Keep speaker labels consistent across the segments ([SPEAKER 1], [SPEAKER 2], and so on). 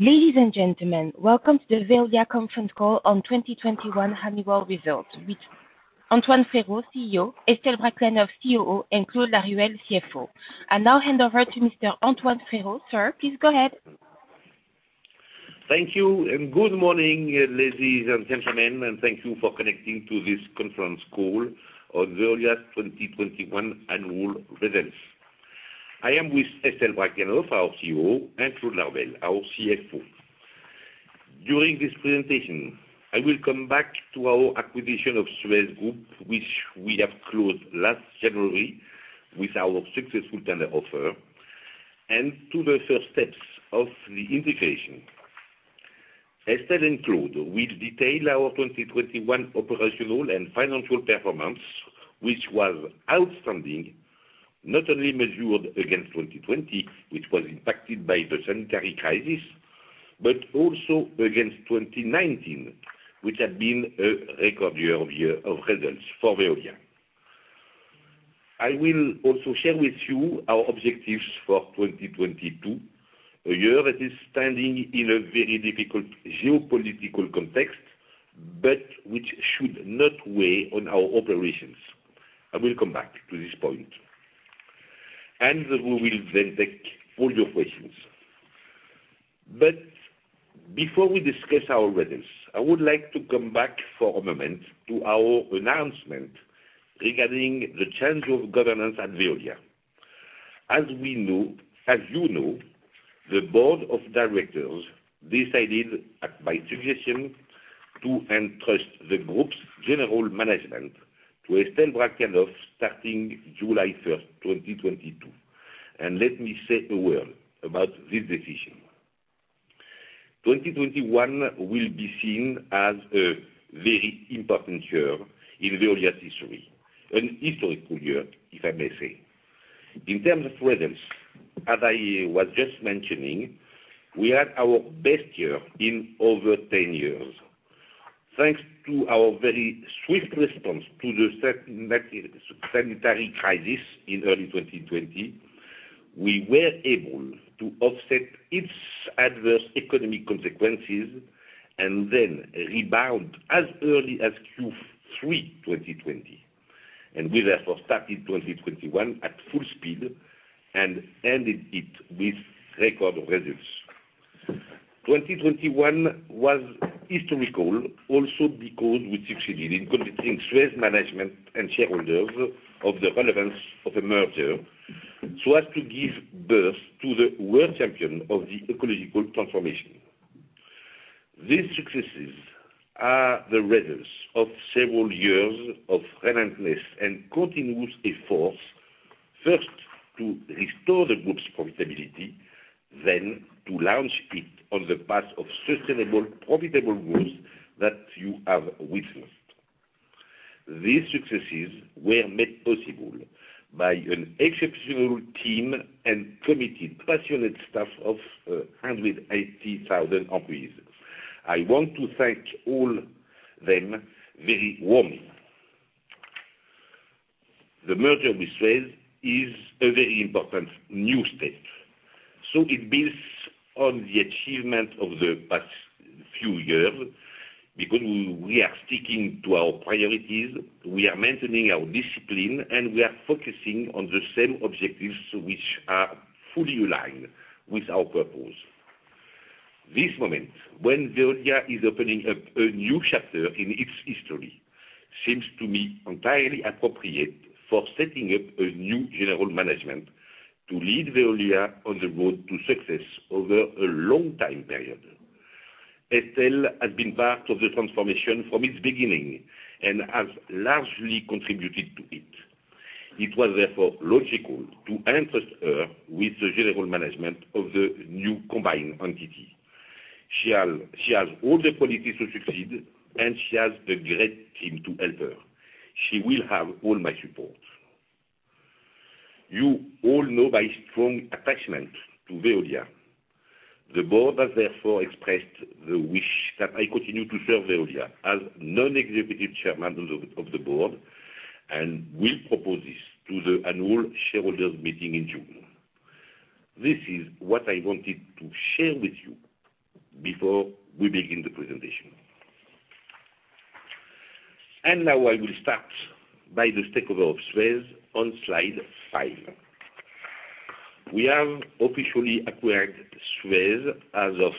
[SPEAKER 1] Ladies and gentlemen, welcome to the Veolia conference call on 2021 annual results with Antoine Frérot, CEO, Estelle Brachlianoff, COO, and Claude Laruelle, CFO. I now hand over to Mr. Antoine Frérot. Sir, please go ahead.
[SPEAKER 2] Thank you, and good morning, ladies and gentlemen, and thank you for connecting to this conference call on Veolia 2021 annual results. I am with Estelle Brachlianoff, our COO, and Claude Laruelle, our CFO. During this presentation, I will come back to our acquisition of SUEZ Group, which we have closed last January with our successful tender offer, and to the first steps of the integration. Estelle and Claude will detail our 2021 operational and financial performance, which was outstanding, not only measured against 2020, which was impacted by the sanitary crisis, but also against 2019, which had been a record year of results for Veolia. I will also share with you our objectives for 2022, a year that is standing in a very difficult geopolitical context, but which should not weigh on our operations. I will come back to this point. We will then take all your questions. Before we discuss our results, I would like to come back for a moment to our announcement regarding the change of governance at Veolia. As you know, the board of directors decided, at my suggestion, to entrust the group's general management to Estelle Brachlianoff starting July 1, 2022, and let me say a word about this decision. 2021 will be seen as a very important year in Veolia's history, an historical year, if I may say. In terms of results, as I was just mentioning, we had our best year in over 10 years. Thanks to our very swift response to the sanitary crisis in early 2020, we were able to offset its adverse economic consequences and then rebound as early as Q3 2020. We therefore started 2021 at full speed and ended it with record results. 2021 was historical also because we succeeded in convincing SUEZ management and shareholders of the relevance of a merger so as to give birth to the world champion of the ecological transformation. These successes are the results of several years of relentless and continuous efforts, first, to restore the group's profitability, then to launch it on the path of sustainable, profitable growth that you have witnessed. These successes were made possible by an exceptional team and committed, passionate staff of 180,000 employees. I want to thank all them very warmly. The merger with SUEZ is a very important new step. It builds on the achievement of the past few years, because we are sticking to our priorities, we are maintaining our discipline, and we are focusing on the same objectives which are fully aligned with our purpose. This moment, when Veolia is opening up a new chapter in its history, seems to me entirely appropriate for setting up a new general management to lead Veolia on the road to success over a long time period. Estelle has been part of the transformation from its beginning and has largely contributed to it. It was therefore logical to entrust her with the general management of the new combined entity. She has all the qualities to succeed, and she has a great team to help her. She will have all my support. You all know my strong attachment to Veolia. The board has therefore expressed the wish that I continue to serve Veolia as non-executive chairman of the board and will propose this to the annual shareholders meeting in June. This is what I wanted to share with you before we begin the presentation. Now I will start by the takeover of SUEZ on slide five. We have officially acquired SUEZ as of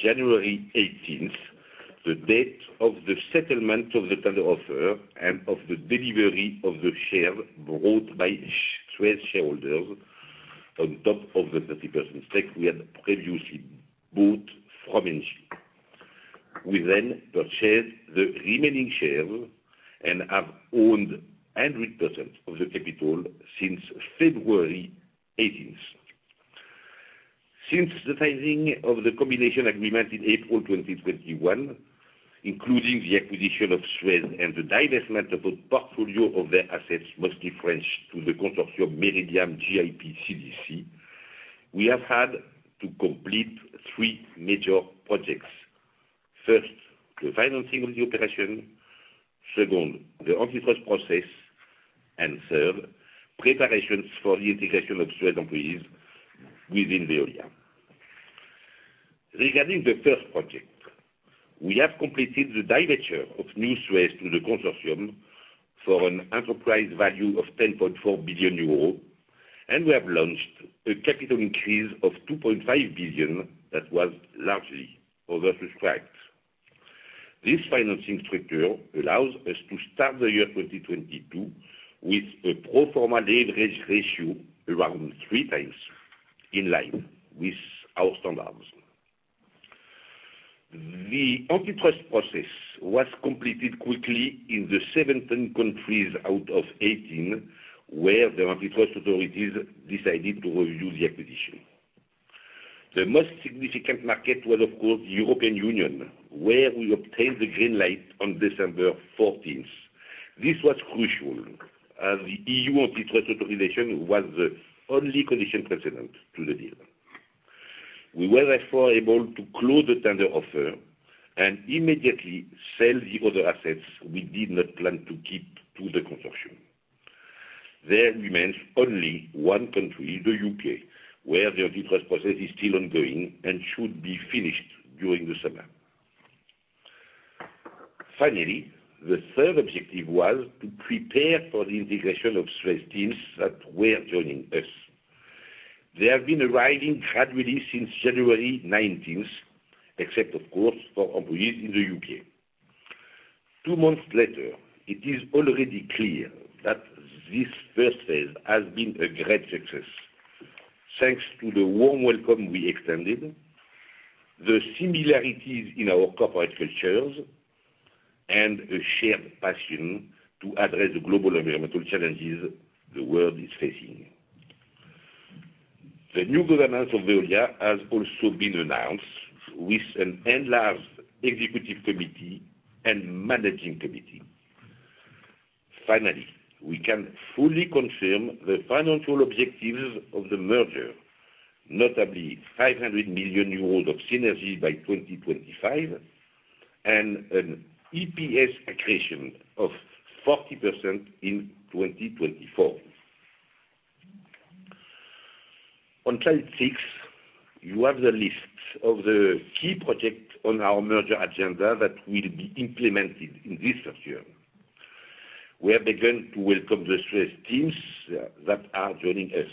[SPEAKER 2] January 18, the date of the settlement of the tender offer and of the delivery of the share bought by SUEZ shareholders on top of the 30% stake we had previously bought from Engie. We then purchased the remaining share and have owned 100% of the capital since February 18. Since the signing of the combination agreement in April 2021, including the acquisition of SUEZ and the divestment of a portfolio of their assets, mostly French, to the consortium, Meridiam GIP CDC, we have had to complete three major projects. First, the financing of the operation. Second, the antitrust process. Third, preparations for the integration of SUEZ employees within Veolia. Regarding the first project, we have completed the delivery of new SUEZ to the consortium for an enterprise value of 10.4 billion euros, and we have launched a capital increase of 2.5 billion that was largely oversubscribed. This financing structure allows us to start the year 2022 with a pro forma leverage ratio around 3x in line with our standards. The antitrust process was completed quickly in the 17 countries out of 18 where the antitrust authorities decided to review the acquisition. The most significant market was, of course, the European Union, where we obtained the green light on December 14. This was crucial, as EU antitrust authorization was the only condition precedent to the deal. We were therefore able to close the tender offer and immediately sell the other assets we did not plan to keep to the consortium. There remains only one country, the U.K., where the antitrust process is still ongoing and should be finished during the summer. Finally, the third objective was to prepare for the integration of SUEZ teams that were joining us. They have been arriving gradually since January 19, except of course for employees in the U.K. Two months later, it is already clear that this first phase has been a great success thanks to the warm welcome we extended, the similarities in our corporate cultures, and a shared passion to address the global environmental challenges the world is facing. The new governance of Veolia has also been announced with an enlarged executive committee and managing committee. Finally, we can fully confirm the financial objectives of the merger, notably 500 million euros of synergy by 2025 and an EPS accretion of 40% in 2024. On slide six, you have the list of the key projects on our merger agenda that will be implemented in this first year. We have begun to welcome the SUEZ teams that are joining us.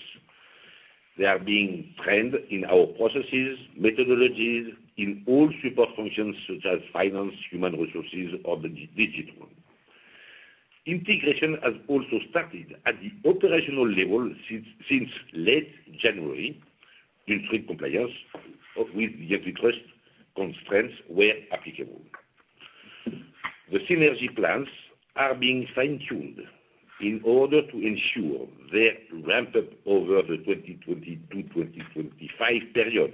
[SPEAKER 2] They are being trained in our processes, methodologies in all support functions such as finance, human resources or digital. Integration has also started at the operational level since late January to ensure compliance with the antitrust constraints where applicable. The synergy plans are being fine-tuned in order to ensure they ramp up over the 2022-2025 period.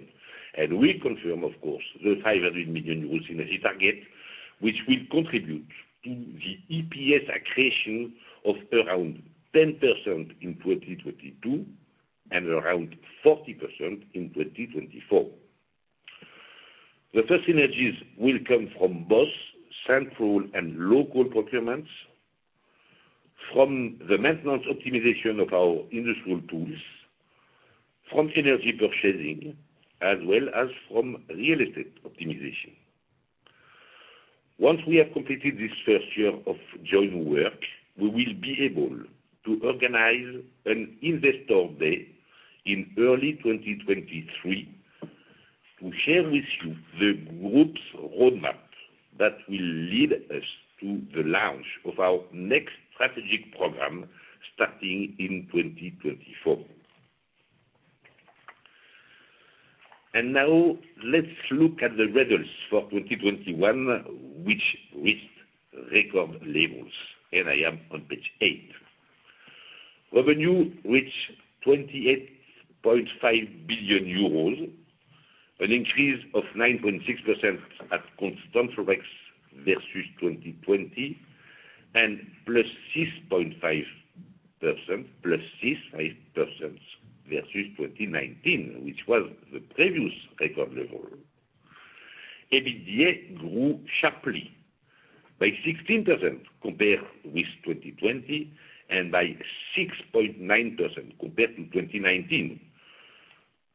[SPEAKER 2] We confirm, of course, the 500 million euros synergy target, which will contribute to the EPS accretion of around 10% in 2022 and around 40% in 2024. The first synergies will come from both central and local procurements, from the maintenance optimization of our industrial tools, from synergy purchasing, as well as from real estate optimization. Once we have completed this first year of joint work, we will be able to organize an investor day in early 2023 to share with you the group's roadmap that will lead us to the launch of our next strategic program starting in 2024. Now let's look at the results for 2021, which reached record levels, and I am on page 8. Revenue reached 28.5 billion euros, an increase of 9.6% at constant Forex versus 2020 and +6.5%, +6.5% versus 2019, which was the previous record level. EBITDA grew sharply by 16% compared with 2020 and by 6.9% compared to 2019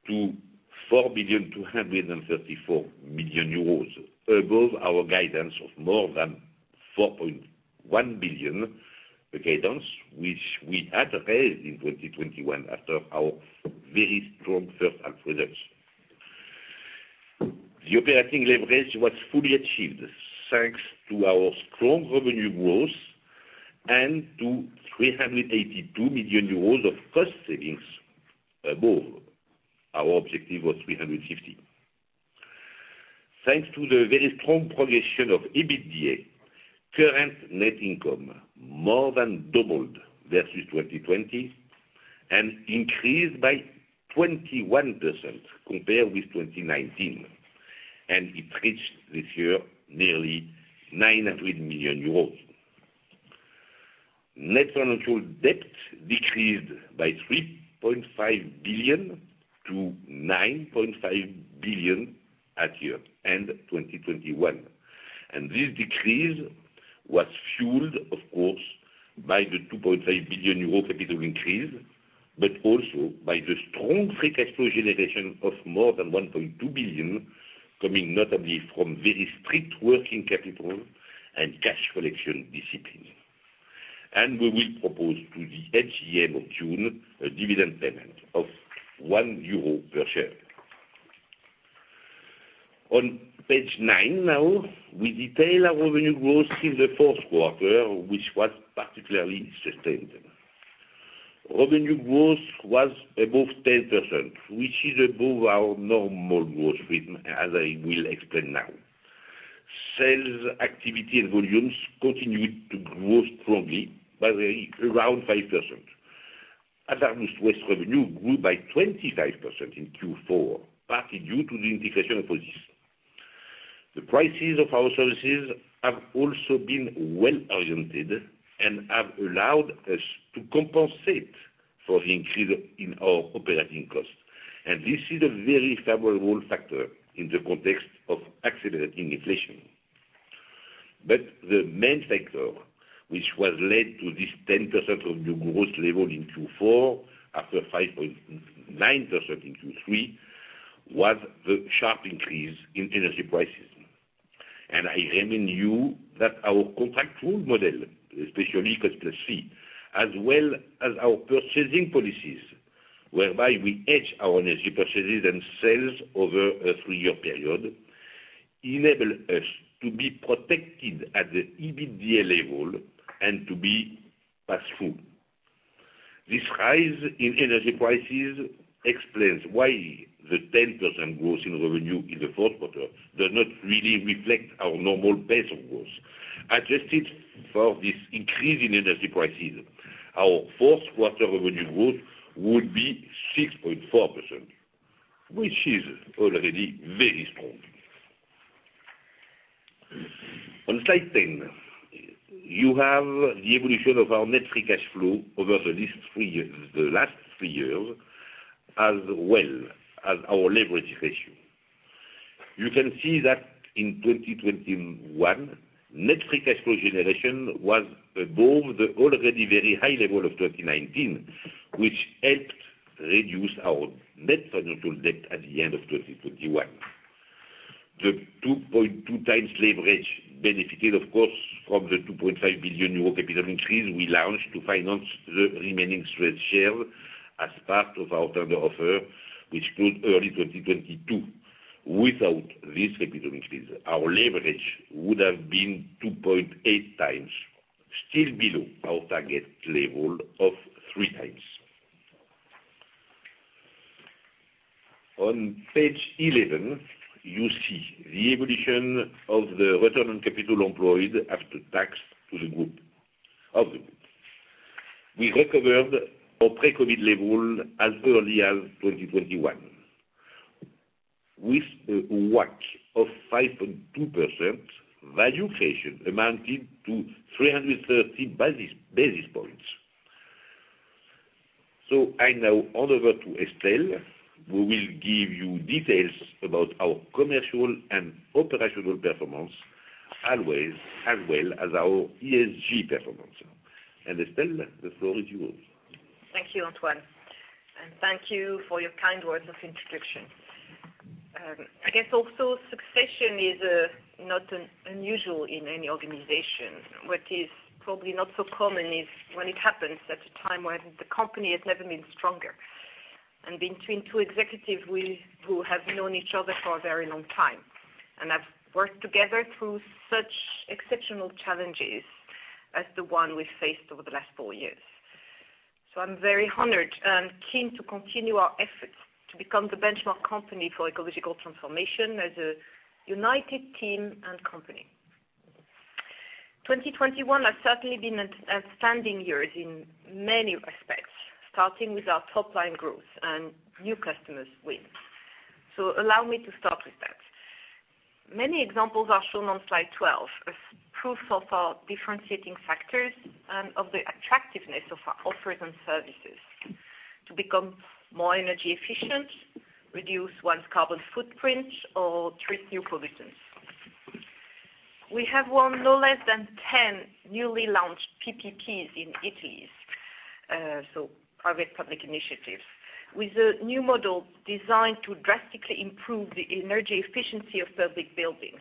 [SPEAKER 2] to 4.234 billion euros, above our guidance of more than 4.1 billion, a guidance which we had raised in 2021 after our very strong first half results. The operating leverage was fully achieved thanks to our strong revenue growth and to 382 million euros of cost savings above our objective of 350. Thanks to the very strong progression of EBITDA, current net income more than doubled versus 2020 and increased by 21% compared with 2019. It reached this year nearly 900 million euros. Net financial debt decreased by 3.5 billion to 9.5 billion at year end 2021. This decrease was fueled, of course, by the 2.5 billion euro capital increase, but also by the strong free cash flow generation of more than 1.2 billion, coming notably from very strict working capital and cash collection discipline. We will propose to the AGM of June a dividend payment of 1 euro per share. On page nine now, we detail our revenue growth in the fourth quarter, which was particularly sustained. Revenue growth was above 10%, which is above our normal growth rate, as I will explain now. Sales activity and volumes continued to grow strongly by around 5%. Hazardous waste revenue grew by 25% in Q4, partly due to the integration of Veolia. The prices of our services have also been well oriented and have allowed us to compensate for the increase in our operating costs. This is a very favorable factor in the context of accelerating inflation. The main factor which was led to this 10% of new growth level in Q4 after 5.9% in Q3 was the sharp increase in energy prices. I remind you that our contract model, especially cost-plus fee, as well as our purchasing policies, whereby we hedge our energy purchases and sales over a three-year period, enable us to be protected at the EBITDA level and to be passed through. This rise in energy prices explains why the 10% growth in revenue in the fourth quarter does not really reflect our normal pace, of course. Adjusted for this increase in energy prices, our fourth quarter revenue growth would be 6.4%, which is already very strong. On slide 10, you have the evolution of our net free cash flow over the last three years, as well as our leverage ratio. You can see that in 2021, net free cash flow generation was above the already very high level of 2019, which helped reduce our net financial debt at the end of 2021. The 2.2x leverage benefited, of course, from the 2.5 billion euro capital increase we launched to finance the remaining stretch here as part of our tender offer, which closed early 2022. Without this capital increase, our leverage would have been 2.8x, still below our target level of 3x. On page 11, you see the evolution of the return on capital employed after tax to the group. We recovered our pre-COVID level as early as 2021. With a WACC of 5.2%, valuation amounted to 330 basis points. I now hand over to Estelle, who will give you details about our commercial and operational performance, as well as our ESG performance. Estelle, the floor is yours.
[SPEAKER 3] Thank you, Antoine, and thank you for your kind words of introduction. I guess also succession is not unusual in any organization. What is probably not so common is when it happens at a time when the company has never been stronger, and between two executives we who have known each other for a very long time, and have worked together through such exceptional challenges as the one we faced over the last four years. I'm very honored and keen to continue our efforts to become the benchmark company for ecological transformation as a united team and company. 2021 has certainly been an outstanding years in many respects, starting with our top-line growth and new customers win. Allow me to start with that. Many examples are shown on slide 12 as proof of our differentiating factors and of the attractiveness of our offered services to become more energy efficient, reduce one's carbon footprint or treat new pollutants. We have won no less than 10 newly launched PPPs in Italy, so public-private partnerships, with a new model designed to drastically improve the energy efficiency of public buildings,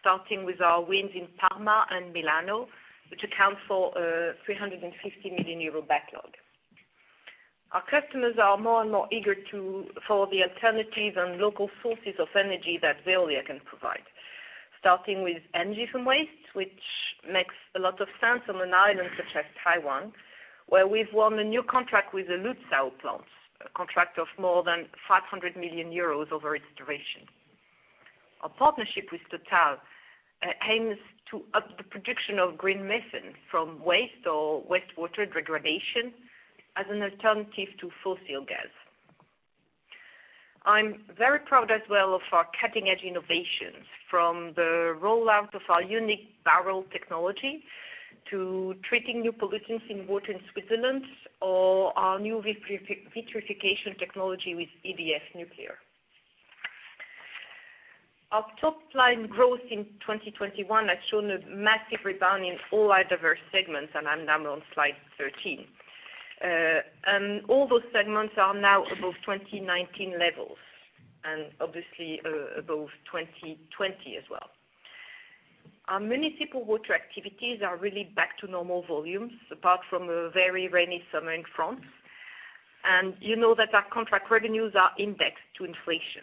[SPEAKER 3] starting with our wins in Parma and Milano, which account for a 350 million euro backlog. Our customers are more and more eager to follow the alternatives and local sources of energy that Veolia can provide. Starting with energy from waste, which makes a lot of sense on an island such as Taiwan, where we've won a new contract with the Luzhou plant, a contract of more than 500 million euros over its duration. Our partnership with TotalEnergies aims to up the production of green methane from waste or wastewater degradation as an alternative to fossil gas. I'm very proud as well of our cutting-edge innovations, from the rollout of our unique BärEl technology to treating new pollutants in water in Switzerland, or our new vitrification technology with EDF Nuclear. Our top line growth in 2021 has shown a massive rebound in all our diverse segments, and I'm now on slide 13. All those segments are now above 2019 levels and obviously above 2020 as well. Our municipal water activities are really back to normal volumes, apart from a very rainy summer in France. You know that our contract revenues are indexed to inflation.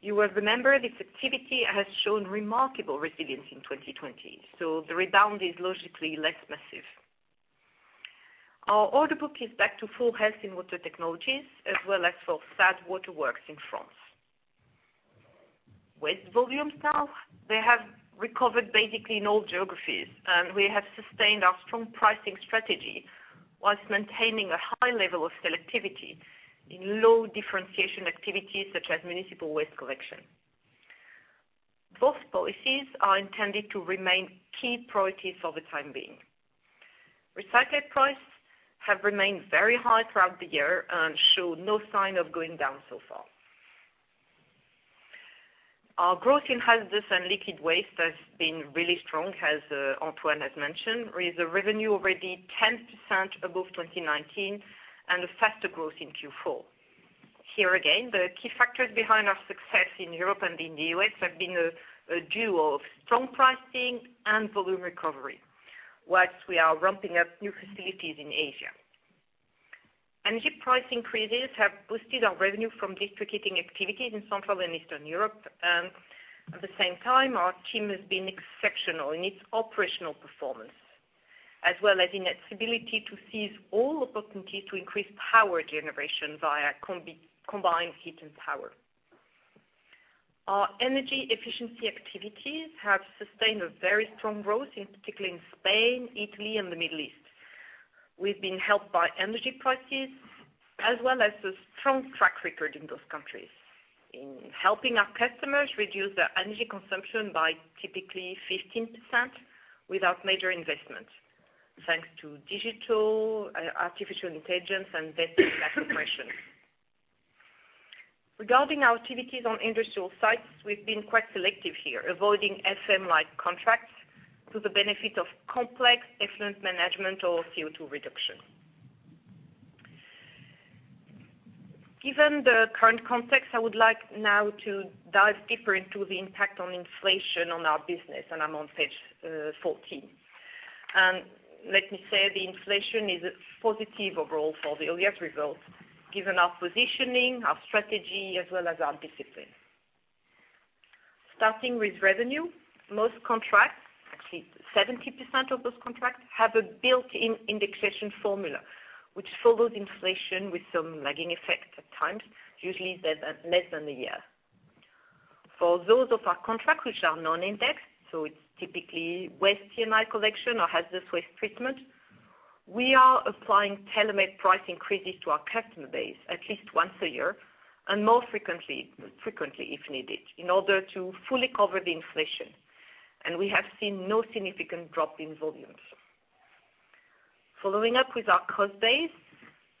[SPEAKER 3] You will remember this activity has shown remarkable resilience in 2020, so the rebound is logically less massive. Our order book is back to full health in water technologies as well as for SADE waterworks in France. Waste volumes now, they have recovered basically in all geographies, and we have sustained our strong pricing strategy while maintaining a high level of selectivity in low differentiation activities such as municipal waste collection. Both policies are intended to remain key priorities for the time being. Recycle prices have remained very high throughout the year and show no sign of going down so far. Our growth in hazardous and liquid waste has been really strong, as Antoine has mentioned, with a revenue already 10% above 2019 and a faster growth in Q4. Here again, the key factors behind our success in Europe and in the U.S. have been a duo of strong pricing and volume recovery. While we are ramping up new facilities in Asia. Energy price increases have boosted our revenue from district heating activities in Central and Eastern Europe, and at the same time, our team has been exceptional in its operational performance, as well as in its ability to seize all opportunities to increase power generation via combined heat and power. Our energy efficiency activities have sustained a very strong growth, in particular in Spain, Italy and the Middle East. We've been helped by energy prices as well as a strong track record in those countries in helping our customers reduce their energy consumption by typically 15% without major investments, thanks to digital, artificial intelligence and data compression. Regarding our activities on industrial sites, we've been quite selective here, avoiding FM-like contracts to the benefit of complex excellence management or CO₂ reduction. Given the current context, I would like now to dive deeper into the impact of inflation on our business. I'm on page 14. Let me say the inflation is positive overall for the Veolia results, given our positioning, our strategy, as well as our discipline. Starting with revenue, most contracts, actually 70% of those contracts, have a built-in indexation formula, which follows inflation with some lagging effect at times, usually less than a year. For those of our contracts which are non-indexed, so it's typically waste C&I collection or hazardous waste treatment, we are applying tailor-made price increases to our customer base at least once a year and more frequently if needed, in order to fully cover the inflation. We have seen no significant drop in volumes. Following up with our cost base,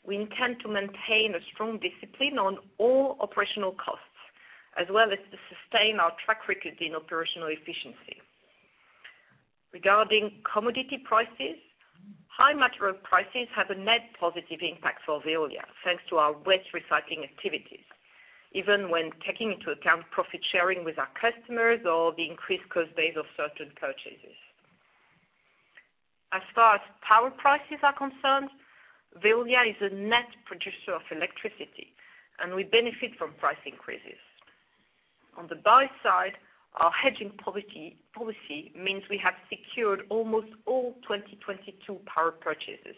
[SPEAKER 3] we intend to maintain a strong discipline on all operational costs as well as to sustain our track record in operational efficiency. Regarding commodity prices, high material prices have a net positive impact for Veolia, thanks to our waste recycling activities, even when taking into account profit sharing with our customers or the increased cost base of certain purchases. As far as power prices are concerned, Veolia is a net producer of electricity, and we benefit from price increases. On the buy side, our hedging policy means we have secured almost all 2022 power purchases.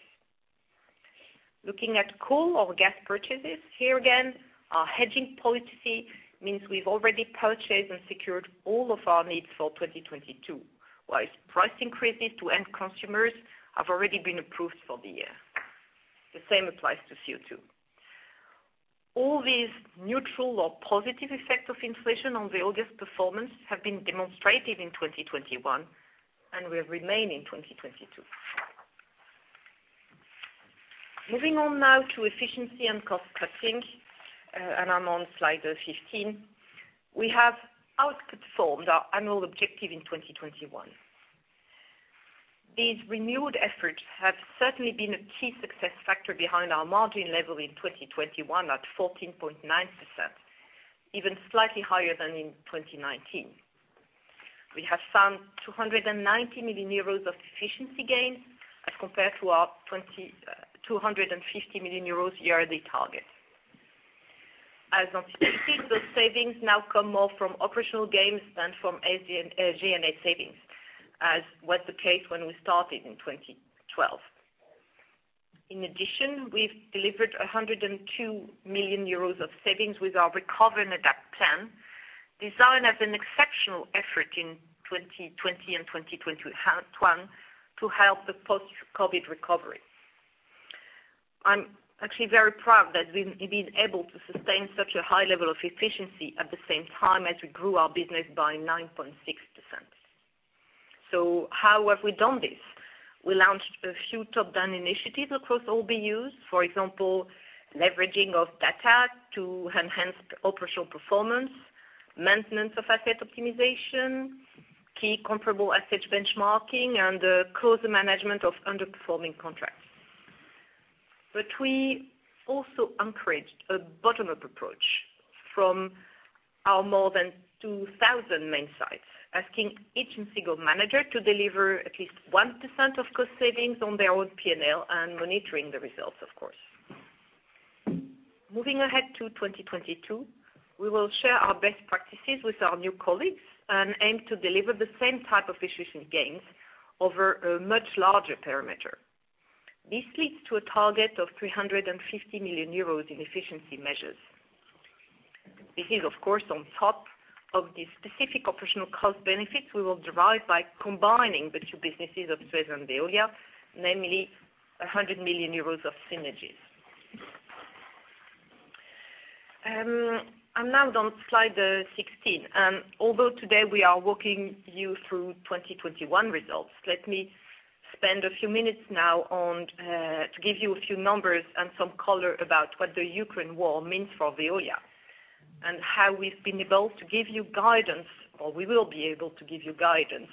[SPEAKER 3] Looking at coal or gas purchases, here again, our hedging policy means we've already purchased and secured all of our needs for 2022, while price increases to end consumers have already been approved for the year. The same applies to CO₂. All these neutral or positive effects of inflation on Veolia's performance have been demonstrated in 2021 and will remain in 2022. Moving on now to efficiency and cost cutting, and I'm on slide 15. We have outperformed our annual objective in 2021. These renewed efforts have certainly been a key success factor behind our margin level in 2021 at 14.9%, even slightly higher than in 2019. We have found 290 million euros of efficiency gains as compared to our 250 million euros yearly target. As anticipated, those savings now come more from operational gains than from G&A savings, as was the case when we started in 2012. In addition, we've delivered 102 million euros of savings with our Recover and Adapt plan. There has been exceptional effort in 2020 and 2021 to help the post-Covid recovery. I'm actually very proud that we've been able to sustain such a high level of efficiency at the same time as we grew our business by 9.6%. How have we done this? We launched a few top-down initiatives across all BUs. For example, leveraging of data to enhance operational performance, maintenance of asset optimization, key comparable asset benchmarking, and closer management of underperforming contracts. We also encouraged a bottom-up approach from our more than 2,000 main sites, asking each single manager to deliver at least 1% of cost savings on their own P&L and monitoring the results, of course. Moving ahead to 2022, we will share our best practices with our new colleagues and aim to deliver the same type of efficiency gains over a much larger perimeter. This leads to a target of 350 million euros in efficiency measures. This is of course on top of the specific operational cost benefits we will derive by combining the two businesses of SUEZ and Veolia, namely 100 million euros of synergies. I'm now on slide 16. Although today we are walking you through 2021 results, let me spend a few minutes now to give you a few numbers and some color about what the Ukraine war means for Veolia and how we've been able to give you guidance, or we will be able to give you guidance,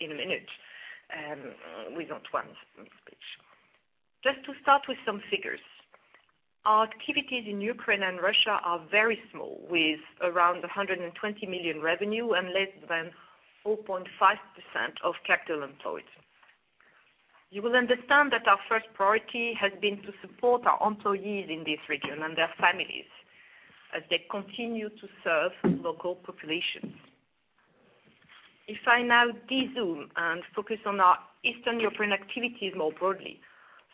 [SPEAKER 3] in a minute, with Antoine's speech. Just to start with some figures. Our activities in Ukraine and Russia are very small, with around 120 million revenue and less than 4.5% of total employees. You will understand that our first priority has been to support our employees in this region and their families as they continue to serve local populations. If I now de-zoom and focus on our Eastern European activities more broadly,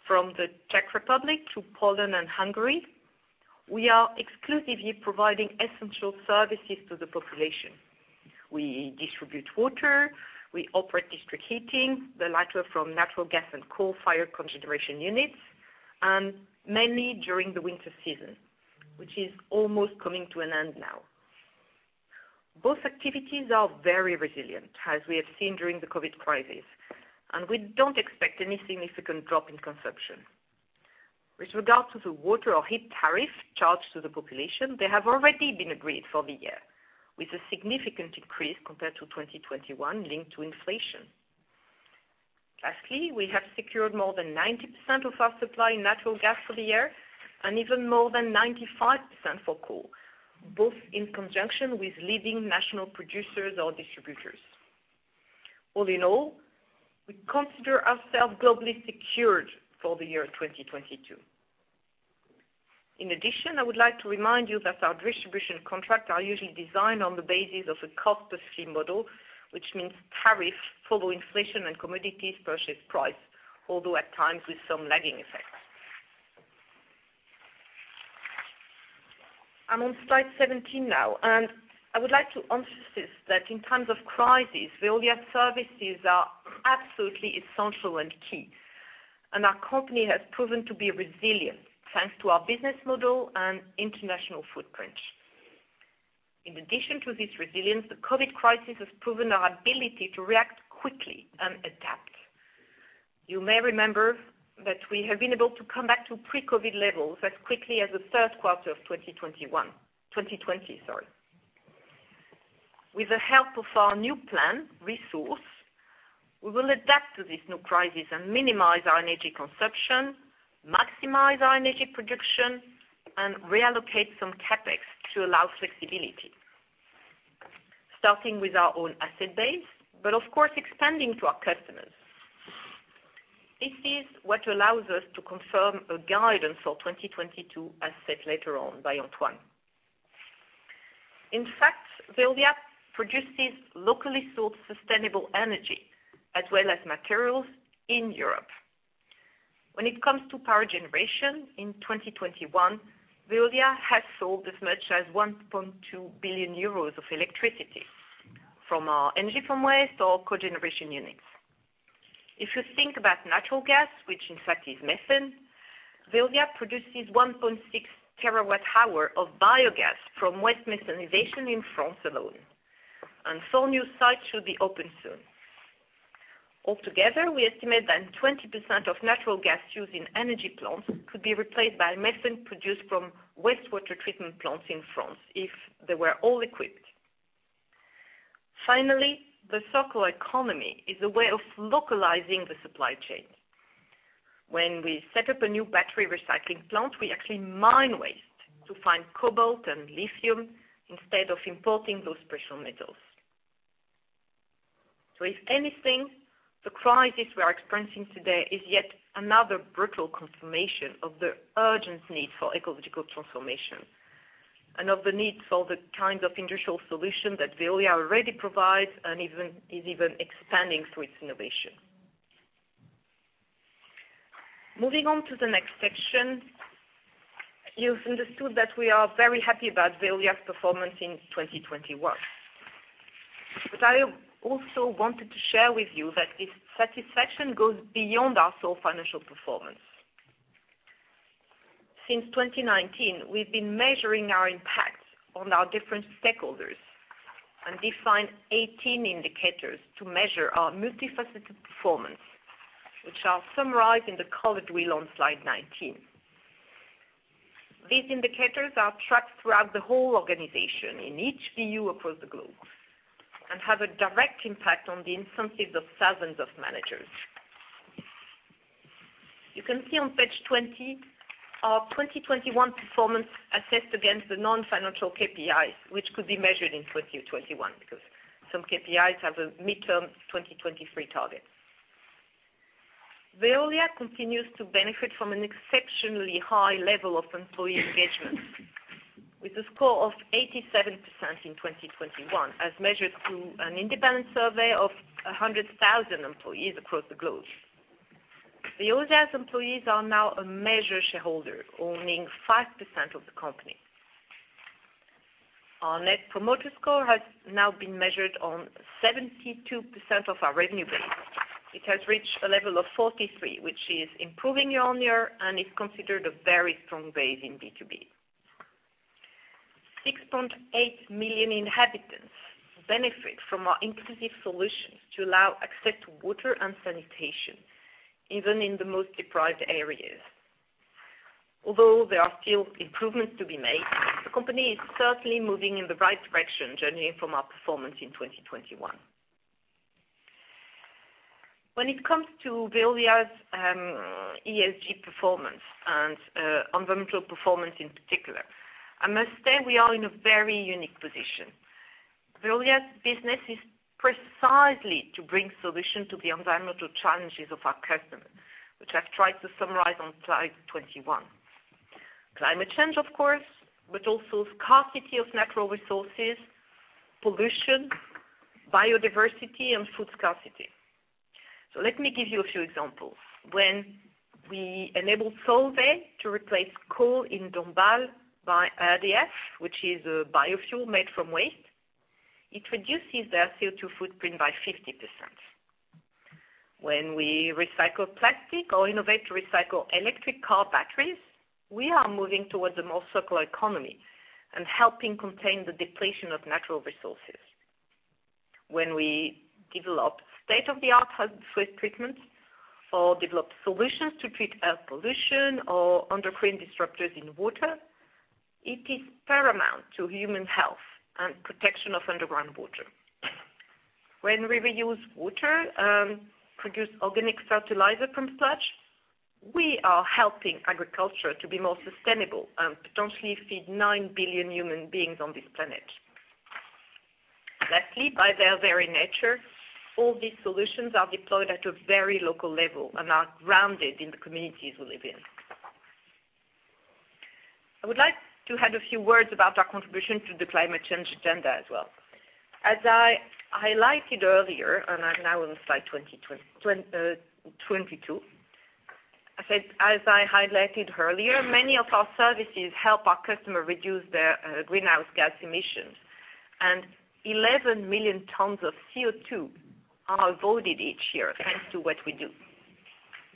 [SPEAKER 3] from the Czech Republic to Poland and Hungary, we are exclusively providing essential services to the population. We distribute water, we operate district heating, the latter from natural gas and coal-fired cogeneration units, and mainly during the winter season, which is almost coming to an end now. Both activities are very resilient, as we have seen during the COVID crisis, and we don't expect any significant drop in consumption. With regard to the water or heat tariff charged to the population, they have already been agreed for the year, with a significant increase compared to 2021 linked to inflation. Lastly, we have secured more than 90% of our supply in natural gas for the year and even more than 95% for coal, both in conjunction with leading national producers or distributors. All in all, we consider ourselves globally secured for the year 2022. In addition, I would like to remind you that our distribution contracts are usually designed on the basis of a cost-plus fee model, which means tariffs follow inflation and commodities purchase price, although at times with some lagging effects. I'm on slide 17 now, and I would like to emphasize that in times of crisis, Veolia's services are absolutely essential and key, and our company has proven to be resilient thanks to our business model and international footprint. In addition to this resilience, the Covid crisis has proven our ability to react quickly and adapt. You may remember that we have been able to come back to pre-Covid levels as quickly as the third quarter of 2020, sorry. With the help of our new plan, Resource, we will adapt to this new crisis and minimize our energy consumption, maximize our energy production, and reallocate some CapEx to allow flexibility, starting with our own asset base, but of course, expanding to our customers. This is what allows us to confirm a guidance for 2022, as said later on by Antoine. In fact, Veolia produces locally sourced, sustainable energy as well as materials in Europe. When it comes to power generation, in 2021, Veolia has sold as much as 1.2 billion euros of electricity from our energy from waste or cogeneration units. If you think about natural gas, which in fact is methane, Veolia produces 1.6 terawatt hour of biogas from waste methanization in France alone, and four new sites should be open soon. Altogether, we estimate that 20% of natural gas used in energy plants could be replaced by methane produced from wastewater treatment plants in France if they were all equipped. Finally, the circular economy is a way of localizing the supply chain. When we set up a new battery recycling plant, we actually mine waste to find cobalt and lithium instead of importing those special metals. If anything, the crisis we are experiencing today is yet another brutal confirmation of the urgent need for ecological transformation and of the need for the kinds of industrial solutions that Veolia already provides and is even expanding through its innovation. Moving on to the next section, you've understood that we are very happy about Veolia's performance in 2021. I also wanted to share with you that this satisfaction goes beyond our sole financial performance. Since 2019, we've been measuring our impact on our different stakeholders and defined 18 indicators to measure our multifaceted performance, which I'll summarize in the colored wheel on slide 19. These indicators are tracked throughout the whole organization in each BU across the globe and have a direct impact on the incentives of thousands of managers. You can see on page 20, our 2021 performance assessed against the non-financial KPIs, which could be measured in 2021 because some KPIs have a midterm 2023 target. Veolia continues to benefit from an exceptionally high level of employee engagement with a score of 87% in 2021, as measured through an independent survey of 100,000 employees across the globe. Veolia's employees are now a major shareholder, owning 5% of the company. Our net promoter score has now been measured on 72% of our revenue base. It has reached a level of 43, which is improving year-on-year and is considered a very strong base in B2B. 6.8 million inhabitants benefit from our inclusive solutions to allow access to water and sanitation, even in the most deprived areas. Although there are still improvements to be made, the company is certainly moving in the right direction, judging from our performance in 2021. When it comes to Veolia's ESG performance and environmental performance in particular, I must say we are in a very unique position. Veolia's business is precisely to bring solution to the environmental challenges of our customers, which I've tried to summarize on slide 21. Climate change, of course, but also scarcity of natural resources, pollution, biodiversity, and food scarcity. Let me give you a few examples. When we enable Solvay to replace coal in Dombasle by RDF, which is a biofuel made from waste, it reduces their CO₂ footprint by 50%. When we recycle plastic or innovate to recycle electric car batteries, we are moving towards a more circular economy and helping contain the depletion of natural resources. When we develop state-of-the-art waste treatments or develop solutions to treat air pollution or endocrine disruptors in water, it is paramount to human health and protection of underground water. When we reuse water, produce organic fertilizer from sludge, we are helping agriculture to be more sustainable and potentially feed 9 billion human beings on this planet. Lastly, by their very nature, all these solutions are deployed at a very local level and are grounded in the communities we live in. I would like to add a few words about our contribution to the climate change agenda as well. As I highlighted earlier, I'm now on slide 22. Many of our services help our customer reduce their greenhouse gas emissions, and 11 million tons of CO₂ are avoided each year thanks to what we do.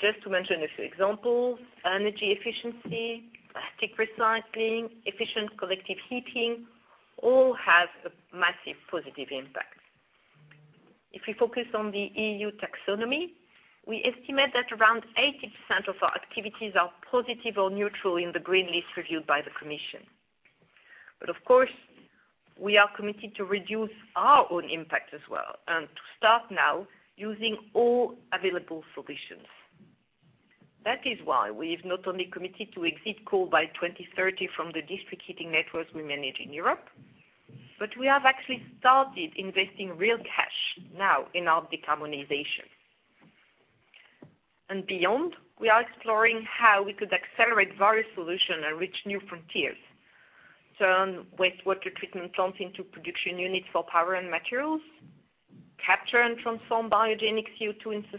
[SPEAKER 3] Just to mention a few examples, energy efficiency, plastic recycling, efficient collective heating all have a massive positive impact. If we focus on the EU taxonomy, we estimate that around 80% of our activities are positive or neutral in the green list reviewed by the Commission. Of course, we are committed to reduce our own impact as well and to start now using all available solutions. That is why we've not only committed to exit coal by 2030 from the district heating networks we manage in Europe, but we have actually started investing real cash now in our decarbonization. Beyond, we are exploring how we could accelerate various solutions and reach new frontiers. Turn wastewater treatment plants into production units for power and materials, capture and transform biogenic CO₂ into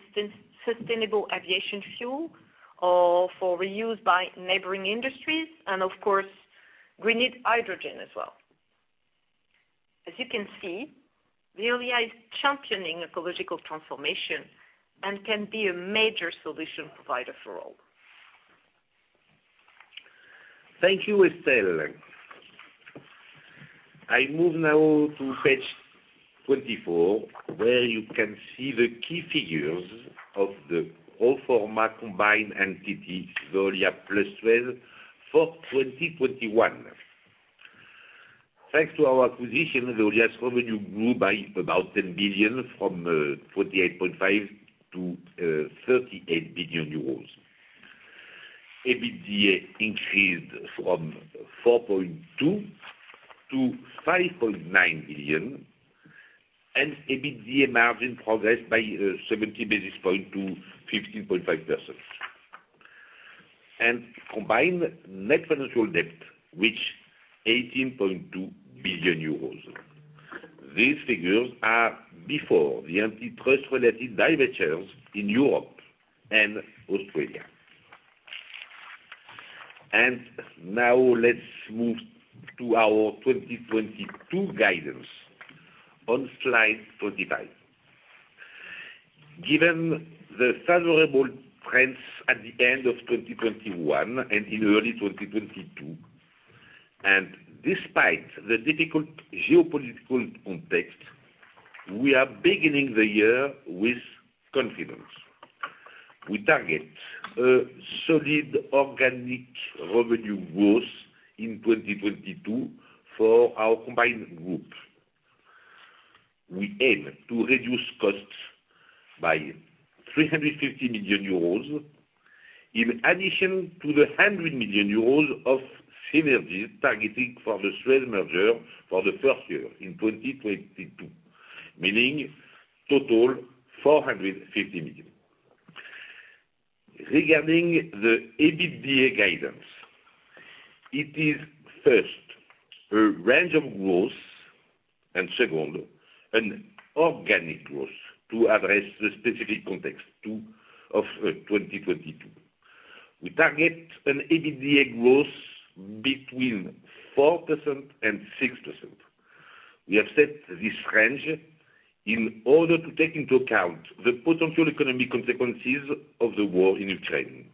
[SPEAKER 3] sustainable aviation fuel or for reuse by neighboring industries, and of course, green hydrogen as well. As you can see, Veolia is championing ecological transformation and can be a major solution provider for all.
[SPEAKER 2] Thank you, Estelle. I move now to page 24, where you can see the key figures of the pro forma combined entity, Veolia plus SUEZ, for 2021. Thanks to our acquisition, Veolia's revenue grew by about 10 billion from 48.5 billion euros to EUR 58.5 billion. EBITDA increased from 4.2 billion to 5.9 billion, and EBITDA margin progressed by 70 basis points to 15.5%. Combined net financial debt reached 18.2 billion euros. These figures are before the antitrust related divestitures in Europe and Australia. Now let's move to our 2022 guidance on slide 25. Given the favorable trends at the end of 2021 and in early 2022, and despite the difficult geopolitical context, we are beginning the year with confidence. We target a solid organic revenue growth in 2022 for our combined group. We aim to reduce costs by 350 million euros in addition to the 100 million euros of synergies targeting for the SUEZ merger for the first year in 2022, meaning total 450 million. Regarding the EBITDA guidance, it is first, a range of growth, and second, an organic growth to address the specific context of 2022. We target an EBITDA growth between 4% and 6%. We have set this range in order to take into account the potential economic consequences of the war in Ukraine,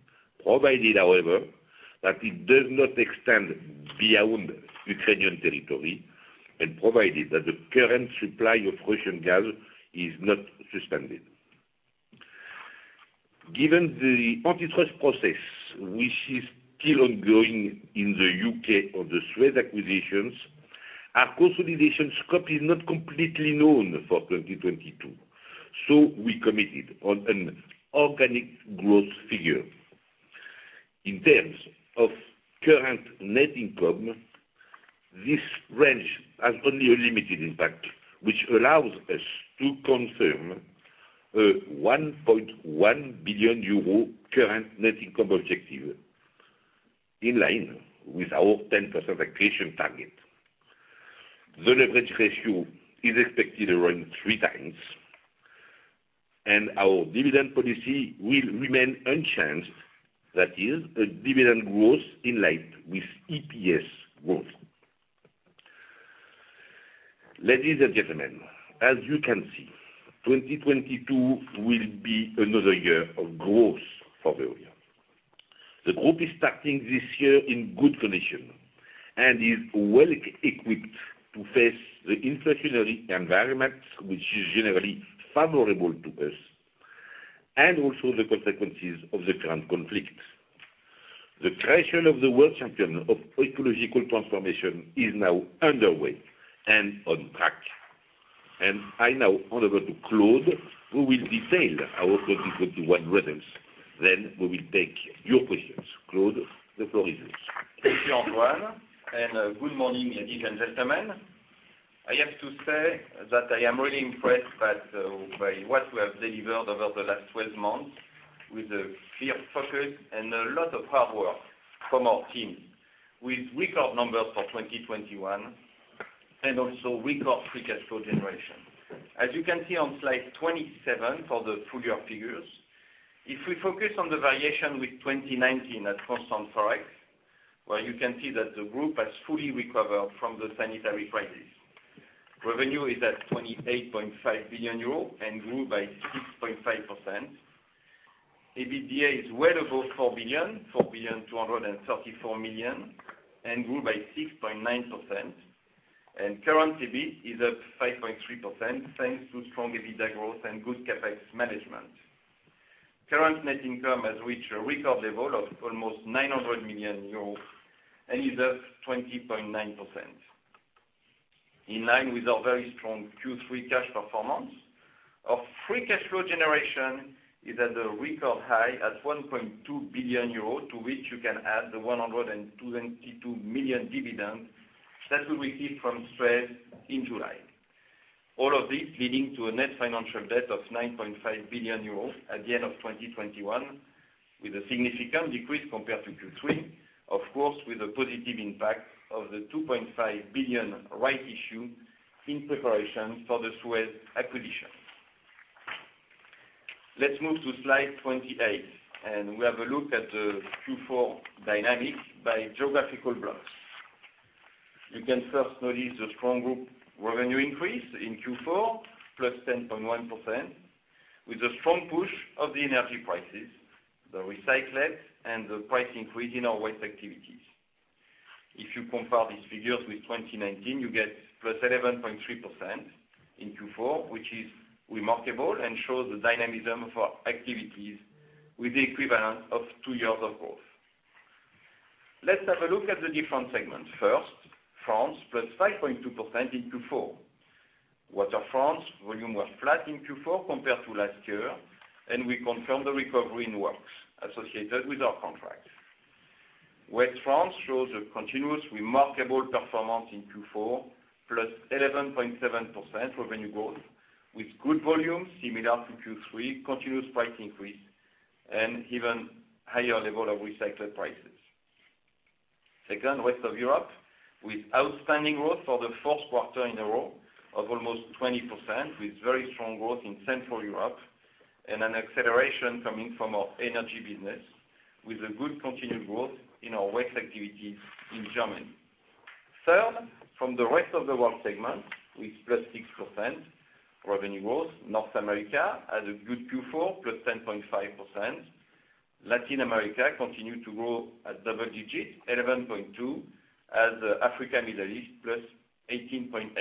[SPEAKER 2] provided, however, that it does not extend beyond Ukrainian territory, and provided that the current supply of Russian gas is not suspended. Given the antitrust process, which is still ongoing in the U.K. on the SUEZ acquisitions, our consolidation scope is not completely known for 2022, so we committed on an organic growth figure. In terms of current net income, this range has only a limited impact, which allows us to confirm a 1.1 billion euro current net income objective, in line with our 10% accretion target. The leverage ratio is expected around 3x, and our dividend policy will remain unchanged. That is a dividend growth in line with EPS growth. Ladies and gentlemen, as you can see, 2022 will be another year of growth for Veolia. The group is starting this year in good condition and is well equipped to face the inflationary environment, which is generally favorable to us, and also the consequences of the current conflict. The creation of the world champion of ecological transformation is now underway and on track. I now hand over to Claude, who will detail our 2021 results. Then we will take your questions. Claude, the floor is yours.
[SPEAKER 4] Thank you, Antoine, and good morning, ladies and gentlemen. I have to say that I am really impressed by what we have delivered over the last 12 months with a clear focus and a lot of hard work from our team, with record numbers for 2021 and also record free cash flow generation. As you can see on slide 27 for the full-year figures, if we focus on the variation with 2019 at constant Forex, where you can see that the group has fully recovered from the sanitary crisis. Revenue is at 28.5 billion euro and grew by 6.5%. EBITDA is well above 4 billion, 4.234 billion, and grew by 6.9%, and current EBIT is up 5.3%, thanks to strong EBITDA growth and good CapEx management. Current net income has reached a record level of almost 900 million euros and is up 20.9%. In line with our very strong Q3 cash performance, our free cash flow generation is at a record high at 1.2 billion euros, to which you can add the 122 million dividend that we received from SUEZ in July. All of this leading to a net financial debt of 9.5 billion euros at the end of 2021, with a significant decrease compared to Q3, of course, with a positive impact of the 2.5 billion rights issue in preparation for the SUEZ acquisition. Let's move to slide 28, and we have a look at the Q4 dynamics by geographical blocks. You can first notice a strong group revenue increase in Q4, +10.1%, with a strong push of the energy prices, the recyclates, and the price increase in our waste activities. If you compare these figures with 2019, you get +11.3% in Q4, which is remarkable and shows the dynamism of our activities with the equivalent of two years of growth. Let's have a look at the different segments. First, France, +5.2% in Q4. Water France volume was flat in Q4 compared to last year, and we confirm the recovery in works associated with our contracts. Waste France shows a continuous remarkable performance in Q4, +11.7% revenue growth with good volume similar to Q3, continuous price increase, and even higher level of recyclate prices. Second, Rest of Europe, with outstanding growth for the fourth quarter in a row of almost 20%, with very strong growth in Central Europe and an acceleration coming from our energy business, with a good continued growth in our waste activities in Germany. Third, from the rest of the world segment with +6% revenue growth. North America had a good Q4, +10.5%. Latin America continued to grow at double digits, 11.2%, as Africa, Middle East +18.8%.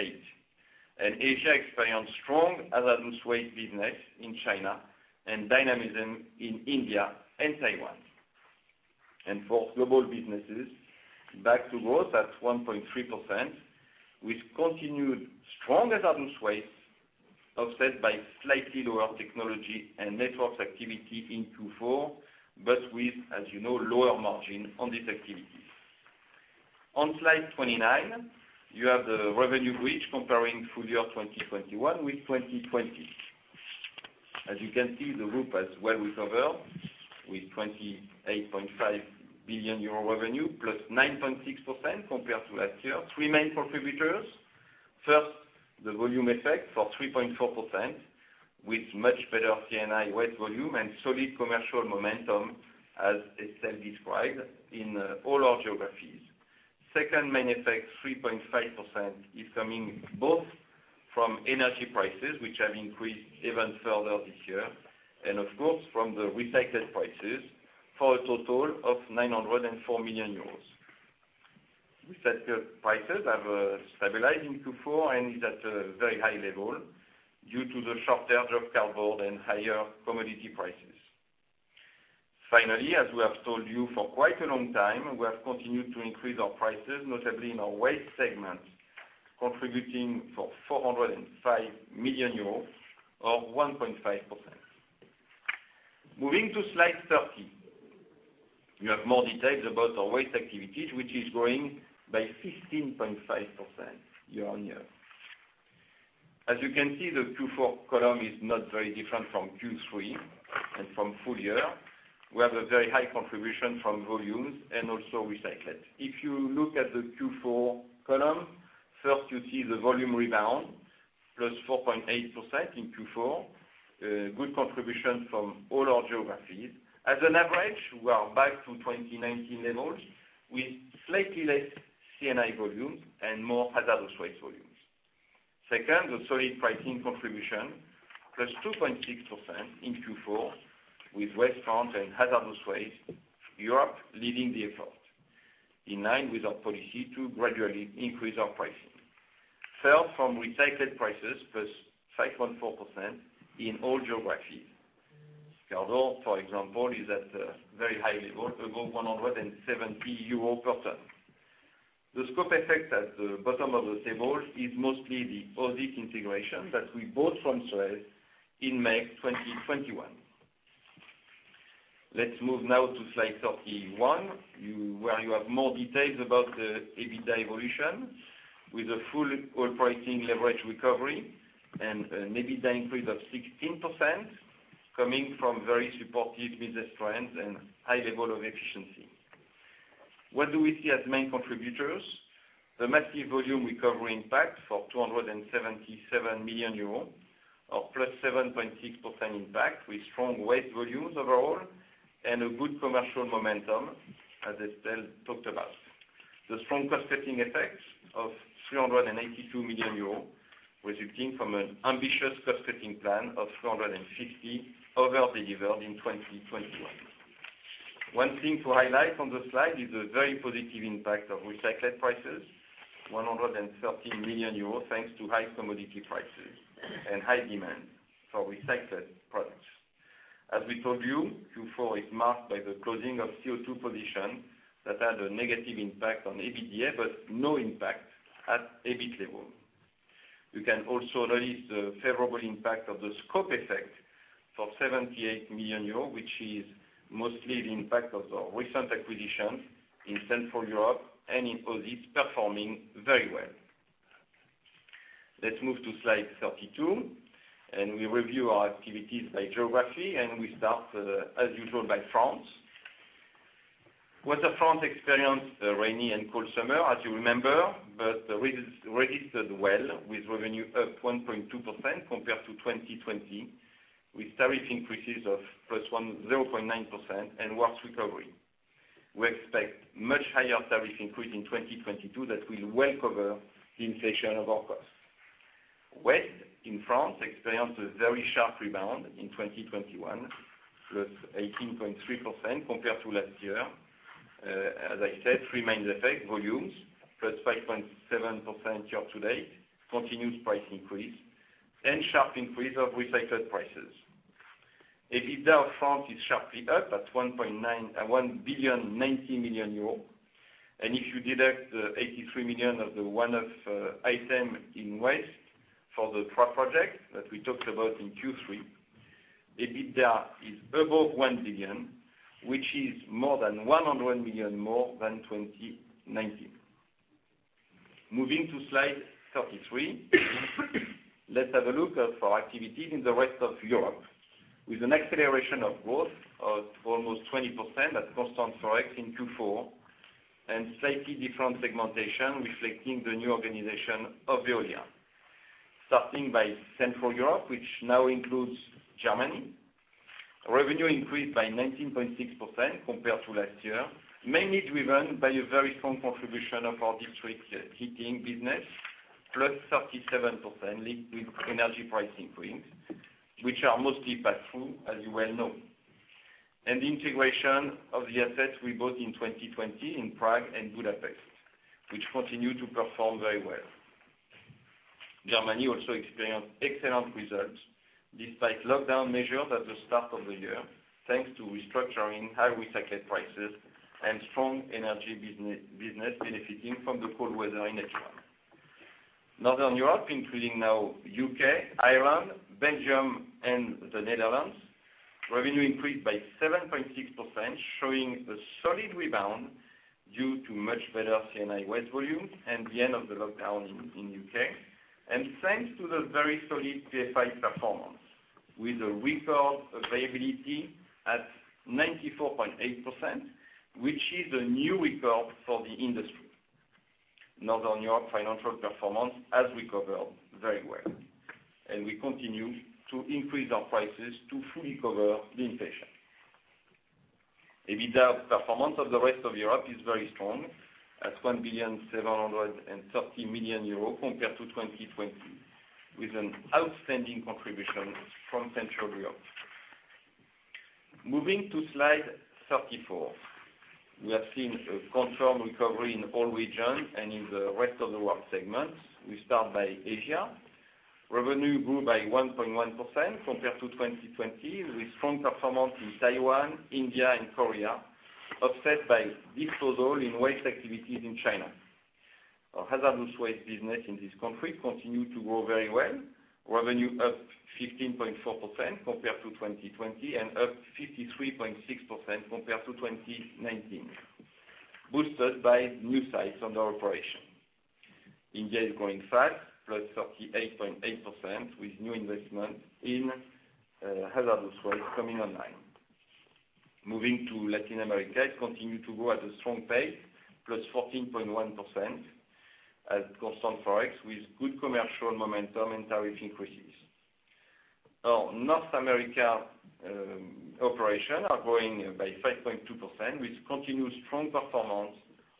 [SPEAKER 4] Asia experienced strong hazardous waste business in China and dynamism in India and Taiwan. Fourth, Global Businesses back to growth at 1.3% with continued strong hazardous waste, offset by slightly lower technology and networks activity in Q4, but with, as you know, lower margin on these activities. On slide 29, you have the revenue bridge comparing full-year 2021 with 2020. As you can see, the group has well recovered with 28.5 billion euro revenue +9.6% compared to last year. Three main contributors. First, the volume effect for 3.4% with much better C&I waste volume and solid commercial momentum, as Estelle described in all our geographies. Second main effect, 3.5%, is coming both from energy prices, which have increased even further this year, and of course, from the recycled prices for a total of 904 million euros. Recycled prices have stabilized in Q4 and is at a very high level due to the shorter destocking board and higher commodity prices. Finally, as we have told you for quite a long time, we have continued to increase our prices, notably in our waste segment, contributing for 405 million euros, or 1.5%. Moving to slide 30, you have more details about our waste activities, which is growing by 15.5% year-on-year. As you can see, the Q4 column is not very different from Q3 and from full-year. We have a very high contribution from volumes and also recycled. If you look at the Q4 column, first you see the volume rebound, +4.8% in Q4, good contribution from all our geographies. On average, we are back to 2019 levels with slightly less C&I volume and more hazardous waste volumes. Second, the solid pricing contribution +2.6% in Q4 with Waste France and Hazardous Waste Europe leading the effort, in line with our policy to gradually increase our pricing. Third, from recycled prices +5.4% in all geographies. Cardboard, for example, is at a very high level, above 170 EUR per ton. The scope effect at the bottom of the table is mostly the OSIS integration that we bought from SUEZ in May 2021. Let's move now to slide 31, where you have more details about the EBITDA evolution with a full pricing leverage recovery and an EBITDA increase of 16% coming from very supportive business trends and high level of efficiency. What do we see as main contributors? The massive volume recovery impact for 277 million euros or +7.6% impact with strong waste volumes overall and a good commercial momentum, as Estelle talked about. The strong cost-cutting effects of 382 million euros, resulting from an ambitious cost-cutting plan of 460 over delivered in 2021. One thing to highlight on the slide is a very positive impact of recycled prices, 113 million euros, thanks to high commodity prices and high demand for recycled products. As we told you, Q4 is marked by the closing of CO₂ position that had a negative impact on EBITDA, but no impact at EBIT level. You can also notice the favorable impact of the scope effect for 78 million euros, which is mostly the impact of the recent acquisitions in Central Europe and in OSIS performing very well. Let's move to slide 32, and we review our activities by geography, and we start, as usual, by France. Water France experienced a rainy and cold summer, as you remember, but registered well with revenue up 1.2% compared to 2020, with tariff increases of plus 0.9% and waste recovery. We expect much higher tariff increase in 2022 that will well cover the inflation of our costs. Waste France experienced a very sharp rebound in 2021, plus 18.3% compared to last year. As I said, three main effects, volumes +5.7% year-to-date, continuous price increase, and sharp increase of recycled prices. EBITDA France is sharply up at 1.09 billion. If you deduct the 83 million of the one-off item in waste for the three projects that we talked about in Q3, EBITDA is above 1 billion, which is more than 100 million more than 2019. Moving to slide 33. Let's have a look at our activities in the rest of Europe. With an acceleration of growth of almost 20% at constant Forex in Q4, and slightly different segmentation, reflecting the new organization of Veolia. Starting by Central Europe, which now includes Germany. Revenue increased by 19.6% compared to last year, mainly driven by a very strong contribution of our district heating business, plus 37% linked with energy price increase, which are mostly passed through, as you well know. The integration of the assets we bought in 2020 in Prague and Budapest, which continue to perform very well. Germany also experienced excellent results, despite lockdown measures at the start of the year, thanks to restructuring, high recycled prices and strong energy business benefiting from the cold weather in H1. Northern Europe, including now U.K., Ireland, Belgium, and the Netherlands. Revenue increased by 7.6%, showing a solid rebound due to much better C&I waste volume and the end of the lockdown in U.K. Thanks to the very solid PFI performance, with a record availability at 94.8%, which is a new record for the industry. Northern Europe financial performance has recovered very well, and we continue to increase our prices to fully cover the inflation. EBITDA performance of the rest of Europe is very strong at 1.73 billion compared to 2020, with an outstanding contribution from Central Europe. Moving to slide 34. We have seen a confirmed recovery in all regions and in the rest of the world segments. We start by Asia. Revenue grew by 1.1% compared to 2020, with strong performance in Taiwan, India, and Korea, offset by disposal in waste activities in China. Our hazardous waste business in this country continued to grow very well. Revenue up 15.4% compared to 2020 and up 53.6% compared to 2019, boosted by new sites under operation. India is growing fast, +38.8% with new investment in hazardous waste coming online. Moving to Latin America, it continued to grow at a strong pace, +14.1% at constant Forex, with good commercial momentum and tariff increases. Our North America operations are growing by 5.2%, with continuous strong performance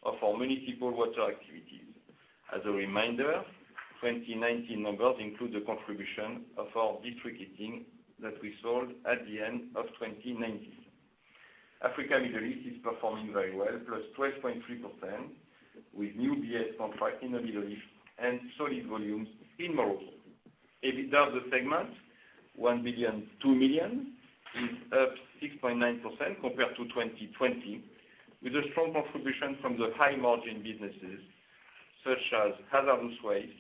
[SPEAKER 4] of our municipal water activities. As a reminder, 2019 numbers include the contribution of our district heating that we sold at the end of 2019. Africa, Middle East is performing very well, +12.3% with new BUs contract in the Middle East and solid volumes in Morocco. EBITDA of the segment, 1.002 billion, is up 6.9% compared to 2020, with a strong contribution from the high margin businesses such as hazardous waste.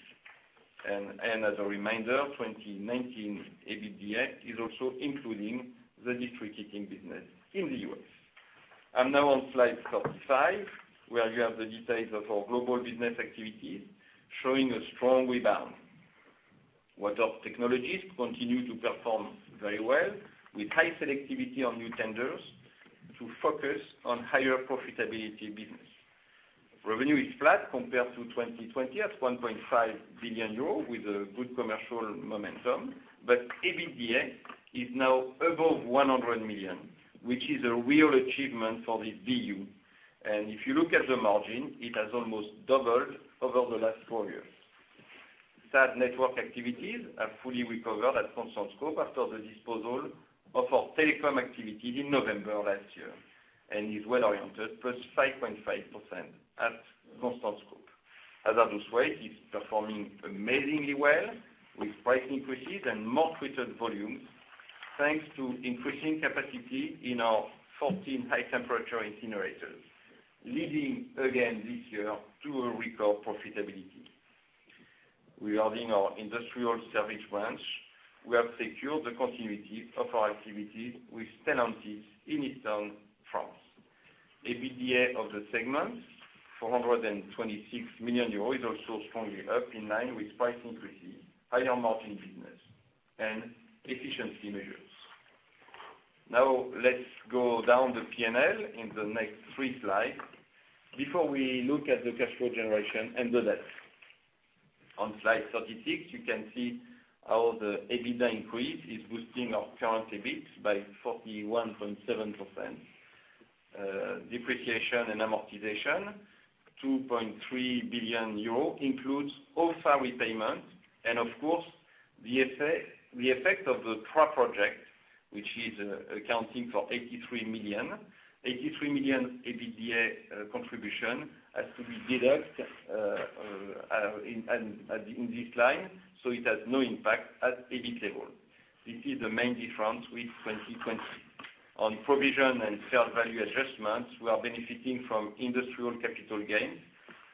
[SPEAKER 4] As a reminder, 2019 EBITDA is also including the district heating business in the U.S. I'm now on slide 35, where you have the details of our global business activities showing a strong rebound. Water technologies continue to perform very well, with high selectivity on new tenders to focus on higher profitability business. Revenue is flat compared to 2020 at 1.5 billion euros with a good commercial momentum. EBITDA is now above 100 million, which is a real achievement for the BU. If you look at the margin, it has almost doubled over the last four years. The network activities are fully recovered at constant scope after the disposal of our telecom activities in November of last year, and is well-oriented, +5.5% at constant scope. Hazardous waste is performing amazingly well with price increases and more treated volumes, thanks to increasing capacity in our 14 high temperature incinerators, leading again this year to a record profitability. Regarding our industrial service branch, we have secured the continuity of our activities with Tavaux in Eastern France. EBITDA of the segment, 426 million euros, is also strongly up in line with price increases, higher margin business, and efficiency measures. Now, let's go down the P&L in the next three slides before we look at the cash flow generation and the debt. On slide 36, you can see how the EBITDA increase is boosting our current EBIT by 41.7%. Depreciation and amortization, 2.3 billion euros, includes OFAE repayment and of course, the effect of the TRA project, which is accounting for 83 million. 83 million EBITDA contribution has to be deducted in this line, so it has no impact at EBIT level. This is the main difference with 2020. On provision and fair value adjustments, we are benefiting from industrial capital gains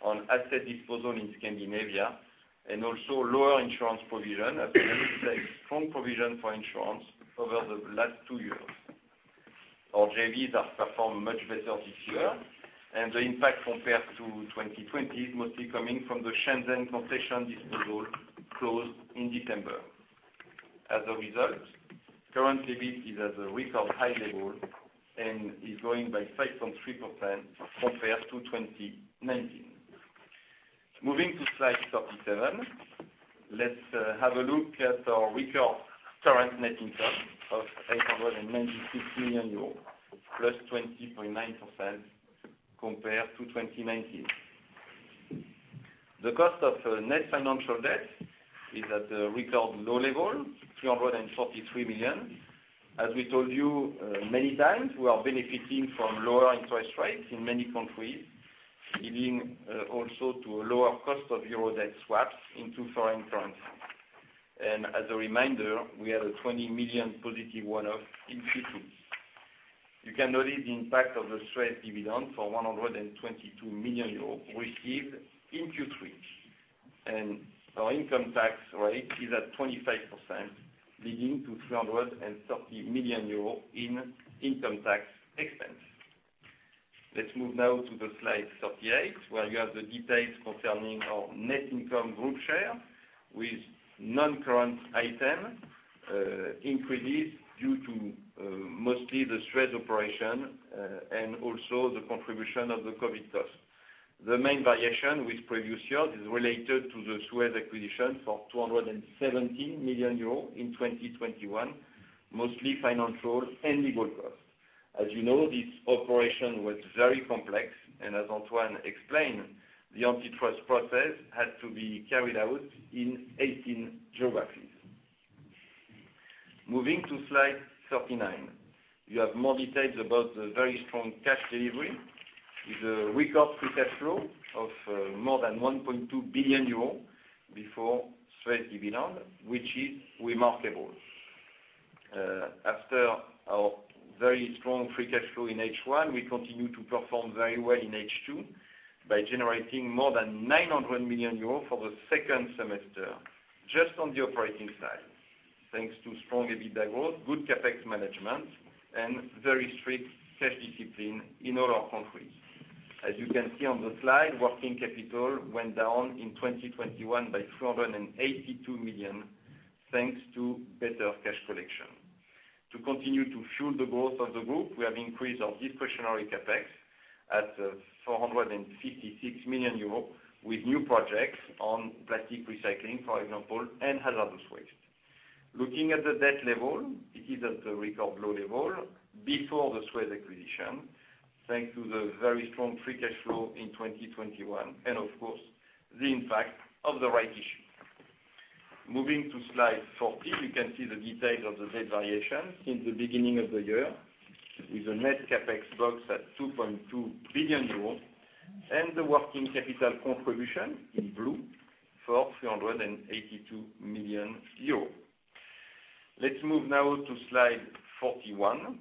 [SPEAKER 4] on asset disposal in Scandinavia and also lower insurance provision after a strong provision for insurance over the last two years. Our JVs have performed much better this year, and the impact compared to 2020 is mostly coming from the Shenzhen concession disposal closed in December. As a result, current EBIT is at a record high level and is growing by 5.3% compared to 2019. Moving to slide 37, let's have a look at our record current net income of 896 million euros, +20.9% compared to 2019. The cost of net financial debt is at a record low level, 343 million. As we told you many times, we are benefiting from lower interest rates in many countries, leading also to a lower cost of euro debt swaps into foreign currency. As a reminder, we have a 20 million positive one-off in Q2. You can notice the impact of the SUEZ dividend for 122 million euros received in Q3. Our income tax rate is at 25%, leading to 330 million euros in income tax expense. Let's move now to the slide 38, where you have the details concerning our net income group share with non-current item increased due to mostly the SUEZ operation and also the contribution of the COVID costs. The main variation with previous year is related to the SUEZ acquisition for 270 million euros in 2021, mostly financial and legal costs. As you know, this operation was very complex, and as Antoine explained, the antitrust process had to be carried out in 18 geographies. Moving to slide 39, you have more details about the very strong cash delivery with a record free cash flow of more than 1.2 billion euro before SUEZ dividend, which is remarkable. After our very strong free cash flow in H1, we continue to perform very well in H2 by generating more than 900 million euros for the second semester just on the operating side, thanks to strong EBITDA growth, good CapEx management, and very strict cash discipline in all our countries. As you can see on the slide, working capital went down in 2021 by 482 million, thanks to better cash collection. To continue to fuel the growth of the group, we have increased our discretionary CapEx to 456 million euros with new projects on plastic recycling, for example, and hazardous waste. Looking at the debt level, it is at a record low level before the SUEZ acquisition, thanks to the very strong free cash flow in 2021 and of course, the impact of the rights issue. Moving to slide 40, you can see the details of the debt variation since the beginning of the year with a net CapEx box at 2.2 billion euros and the working capital contribution in blue for 382 million euros. Let's move now to slide 41.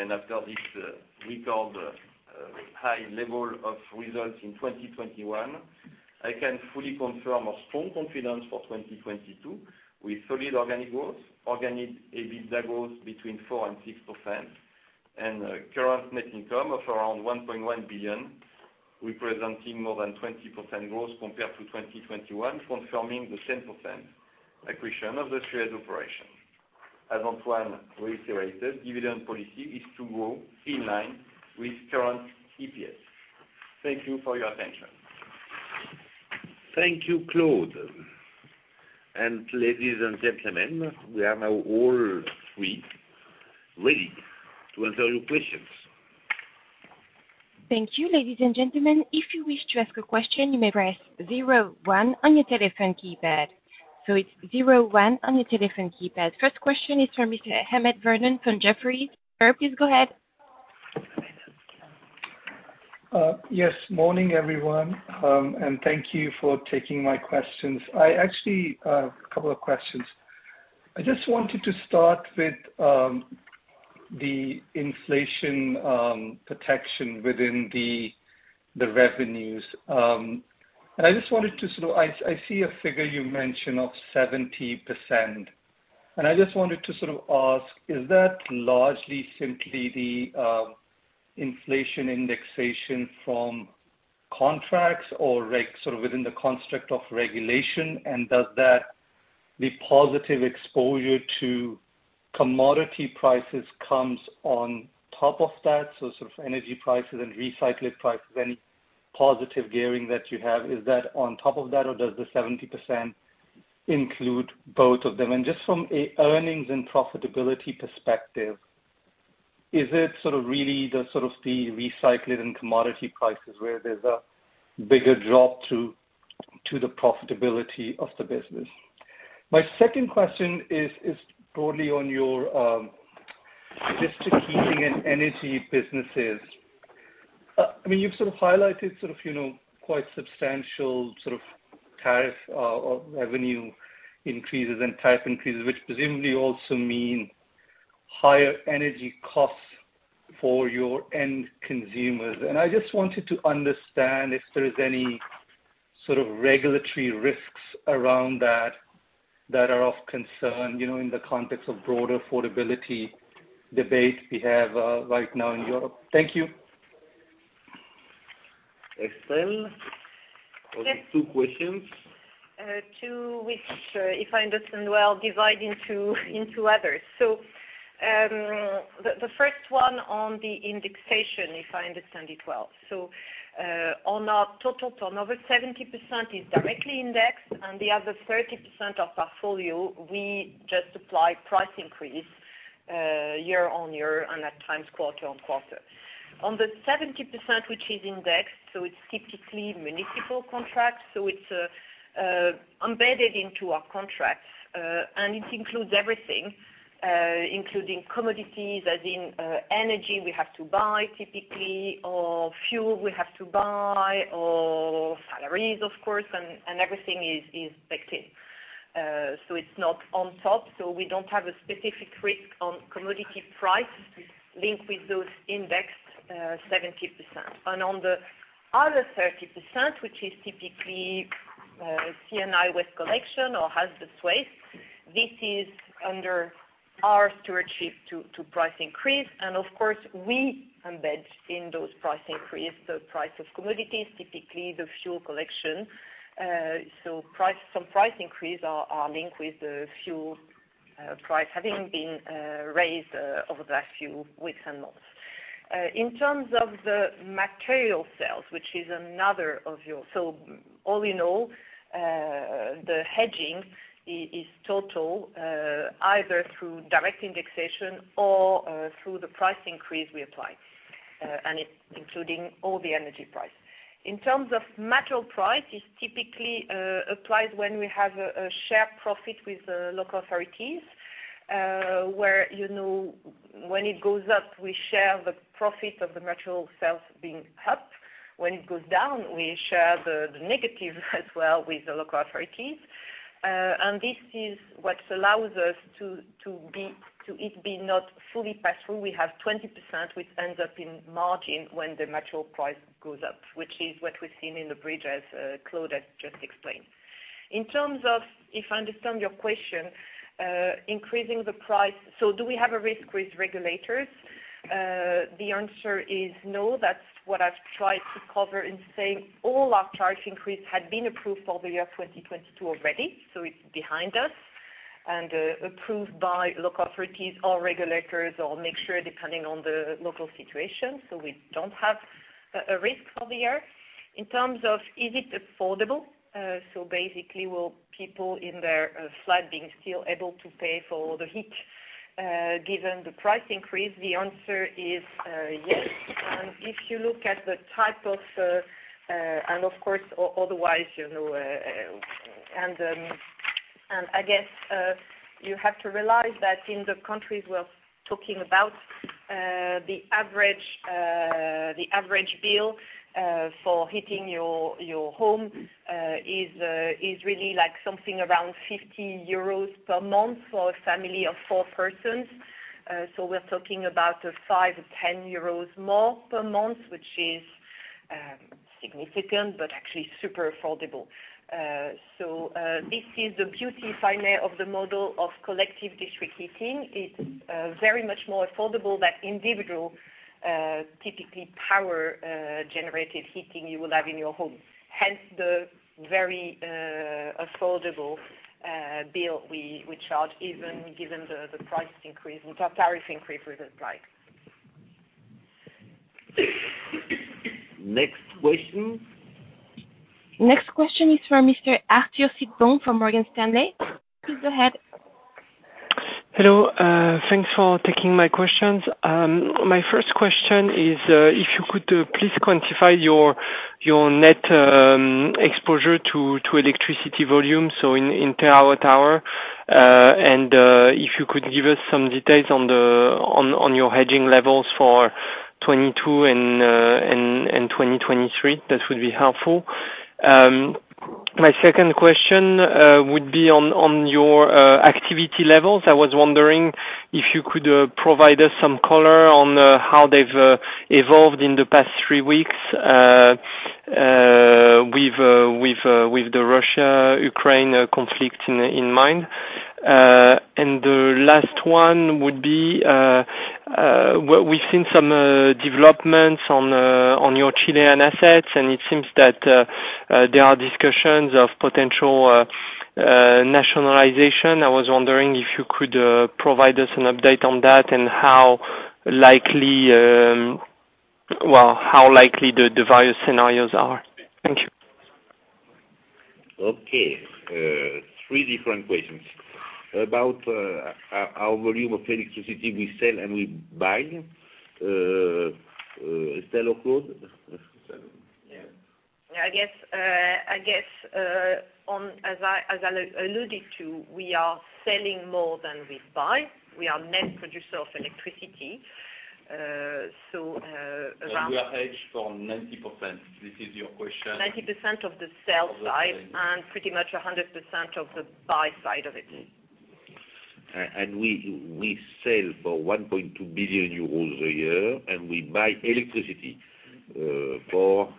[SPEAKER 4] After this record high level of results in 2021, I can fully confirm a strong confidence for 2022 with solid organic growth, organic EBITDA growth between 4%-6%, and a current net income of around 1.1 billion, representing more than 20% growth compared to 2021, confirming the 10% acquisition of the SUEZ operation. As Antoine reiterated, dividend policy is to grow in line with current EPS. Thank you for your attention.
[SPEAKER 2] Thank you, Claude. Ladies and gentlemen, we are now all three ready to answer your questions.
[SPEAKER 1] Thank you, ladies and gentlemen. If you wish to ask a question, you may press zero one on your telephone keypad. It's zero one on your telephone keypad. First question is from Mr. Ahmed Sherif from Jefferies. Sir, please go ahead.
[SPEAKER 5] Yes, morning, everyone. Thank you for taking my questions. I actually have a couple of questions. I just wanted to start with the inflation protection within the revenues. I see a figure you mentioned of 70%, and I just wanted to sort of ask, is that largely simply the inflation indexation from contracts or sort of within the construct of regulation? And does that positive exposure to commodity prices come on top of that? So sort of energy prices and recycling prices, any positive gearing that you have, is that on top of that, or does the 70% include both of them? Just from an earnings and profitability perspective, is it really the recycling and commodity prices where there's a bigger drop to the profitability of the business? My second question is broadly on your district heating and energy businesses. I mean, you've sort of highlighted, you know, quite substantial sort of tariff or revenue increases and tariff increases, which presumably also mean higher energy costs for your end consumers. I just wanted to understand if there is any sort of regulatory risks around that that are of concern, you know, in the context of broader affordability debate we have right now in Europe. Thank you.
[SPEAKER 2] Estelle?
[SPEAKER 3] Yes.
[SPEAKER 2] Those are two questions.
[SPEAKER 3] To which, if I understand well, divide into others. The first one on the indexation, if I understand it well. On our total ton, over 70% is directly indexed, and the other 30% of portfolio, we just apply price increase year-on-year and at times quarter-on-quarter. On the 70% which is indexed, it's typically municipal contracts, so it's embedded into our contracts. It includes everything, including commodities as in energy we have to buy typically, or fuel we have to buy, or salaries of course, and everything is backed in. It's not on top, so we don't have a specific risk on commodity price linked with those indexed 70%. On the other 30%, which is typically C&I waste collection or hazardous waste, this is under our stewardship to price increases. Of course, we embed in those price increases the price of commodities, typically the fuel collection. Some price increases are linked with the fuel price having been raised over the last few weeks and months. In terms of the material sales, which is another of your... All in all, the hedging is total, either through direct indexation or through the price increases we apply. It's including all the energy prices. In terms of material prices, it typically applies when we have a shared profit with the local authorities, where, you know, when it goes up, we share the profit of the material sales being up. When it goes down, we share the negative as well with the local authorities. This is what allows us to have it be not fully passed through. We have 20% which ends up in margin when the material price goes up, which is what we've seen in the bridge as Claude has just explained. In terms of if I understand your question, increasing the price, so do we have a risk with regulators? The answer is no. That's what I've tried to cover in saying all our price increase had been approved for the year 2022 already, so it's behind us. Approved by local authorities or regulators, or make sure depending on the local situation, so we don't have a risk for the year. In terms of, is it affordable, so basically will people in their flat being still able to pay for the heat, given the price increase? The answer is, yes. If you look at the type of. Of course, otherwise, you know, I guess you have to realize that in the countries we're talking about, the average bill for heating your home is really like something around 50 euros per month for a family of four persons. So we're talking about 5-10 euros more per month, which is significant, but actually super affordable. This is the beauty, if I may, of the model of collective district heating. It's very much more affordable than individual typically power generated heating you will have in your home, hence the very affordable bill we charge even given the price increase, the tariff increase we just applied.
[SPEAKER 2] Next question.
[SPEAKER 1] Next question is from Mr. Arthur Sitbon from Morgan Stanley. Please go ahead.
[SPEAKER 6] Hello. Thanks for taking my questions. My first question is, if you could please quantify your net exposure to electricity volume, so in terawatt-hour. If you could give us some details on your hedging levels for 2022 and 2023, that would be helpful. My second question would be on your activity levels. I was wondering if you could provide us some color on how they've evolved in the past three weeks with the Russia-Ukraine conflict in mind. The last one would be, we've seen some developments on your Chilean assets, and it seems that there are discussions of potential nationalization. I was wondering if you could provide us an update on that and how likely the various scenarios are. Thank you.
[SPEAKER 2] Okay. Three different questions. About our volume of electricity we sell and we buy, Estelle or Claude?
[SPEAKER 3] Yeah. I guess, as I alluded to, we are selling more than we buy. We are net producer of electricity. So, around-
[SPEAKER 2] We are hedged for 90%. This is your question.
[SPEAKER 3] 90% of the sell side, and pretty much 100% of the buy side of it.
[SPEAKER 2] We sell for 1.2 billion euros a year, and we buy electricity for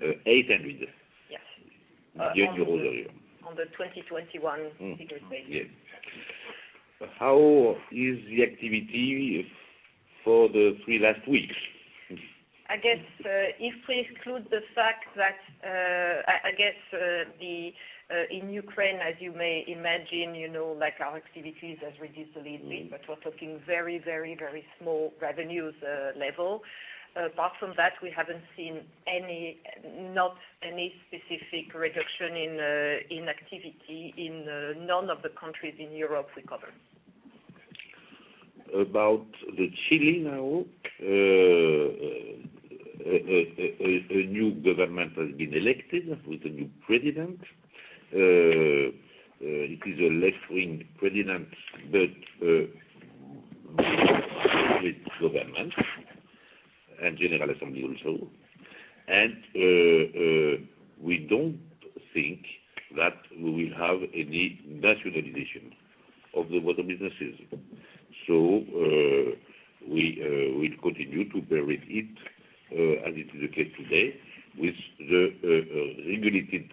[SPEAKER 2] EUR 800 million.
[SPEAKER 4] Yes.
[SPEAKER 2] Euro a year.
[SPEAKER 4] On the 2021 figure base.
[SPEAKER 2] Yes. How is the activity for the three last weeks?
[SPEAKER 4] I guess if we include the fact that I guess in Ukraine, as you may imagine, you know, like our activities has reduced a little bit, but we're talking very small revenues level. Apart from that, we haven't seen not any specific reduction in activity in none of the countries in Europe we cover.
[SPEAKER 2] About Chile now. A new government has been elected with a new president. It is a left-wing president, but with government and general assembly also. We don't think that we will have any nationalization of the water businesses. We will continue to run it as it is the case today with the regulated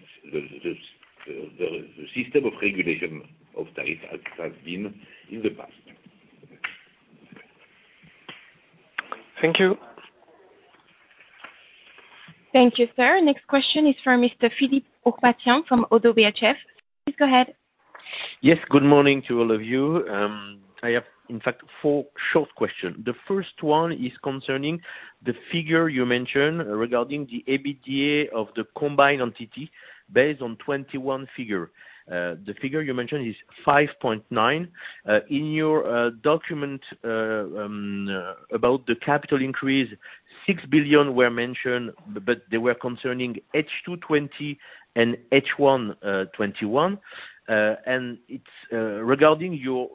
[SPEAKER 2] system of tariff regulation as has been in the past.
[SPEAKER 6] Thank you.
[SPEAKER 1] Thank you, sir. Next question is from Mr. Philippe Ourpatian from Oddo BHF. Please go ahead.
[SPEAKER 7] Yes. Good morning to all of you. I have, in fact, four short questions. The first one is concerning the figure you mentioned regarding the EBITDA of the combined entity based on 2021 figure. The figure you mentioned is 5.9. In your document about the capital increase, 6 billion were mentioned, but they were concerning H2 2020 and H1 2021. It's regarding your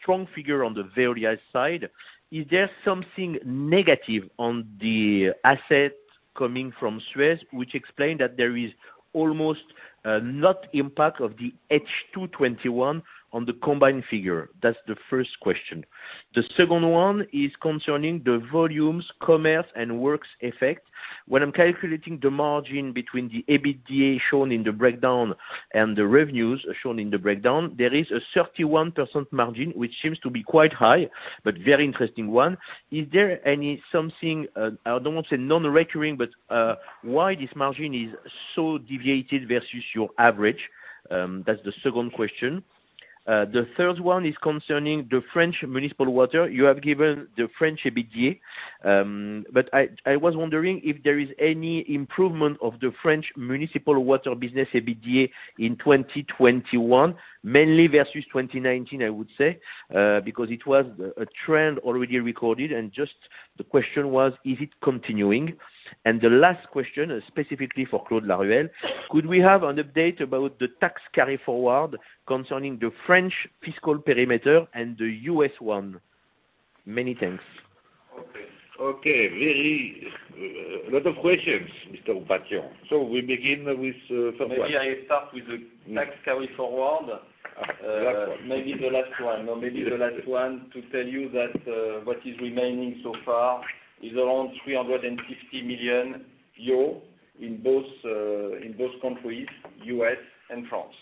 [SPEAKER 7] strong figure on the various side, is there something negative on the assets coming from SUEZ which explain that there is almost no impact of the H2 2021 on the combined figure? That's the first question. The second one is concerning the volumes, commerce, and works effect. When I'm calculating the margin between the EBITDA shown in the breakdown and the revenues shown in the breakdown, there is a 31% margin, which seems to be quite high, but very interesting one. Is there something, I don't want to say non-recurring, but why this margin is so deviated versus your average? That's the second question. The third one is concerning the French municipal water. You have given the French EBITDA, but I was wondering if there is any improvement of the French municipal water business EBITDA in 2021, mainly versus 2019, I would say, because it was a trend already recorded, and just the question was, is it continuing? The last question is specifically for Claude Laruelle. Could we have an update about the tax carry forward concerning the French fiscal perimeter and the U.S. one? Many thanks.
[SPEAKER 2] Okay. A lot of questions, Mr. Ourpatian. We begin with from one.
[SPEAKER 4] Maybe I start with the tax carry forward.
[SPEAKER 2] Last one.
[SPEAKER 4] Maybe the last one to tell you that what is remaining so far is around 350 million euro in both countries, U.S. and France.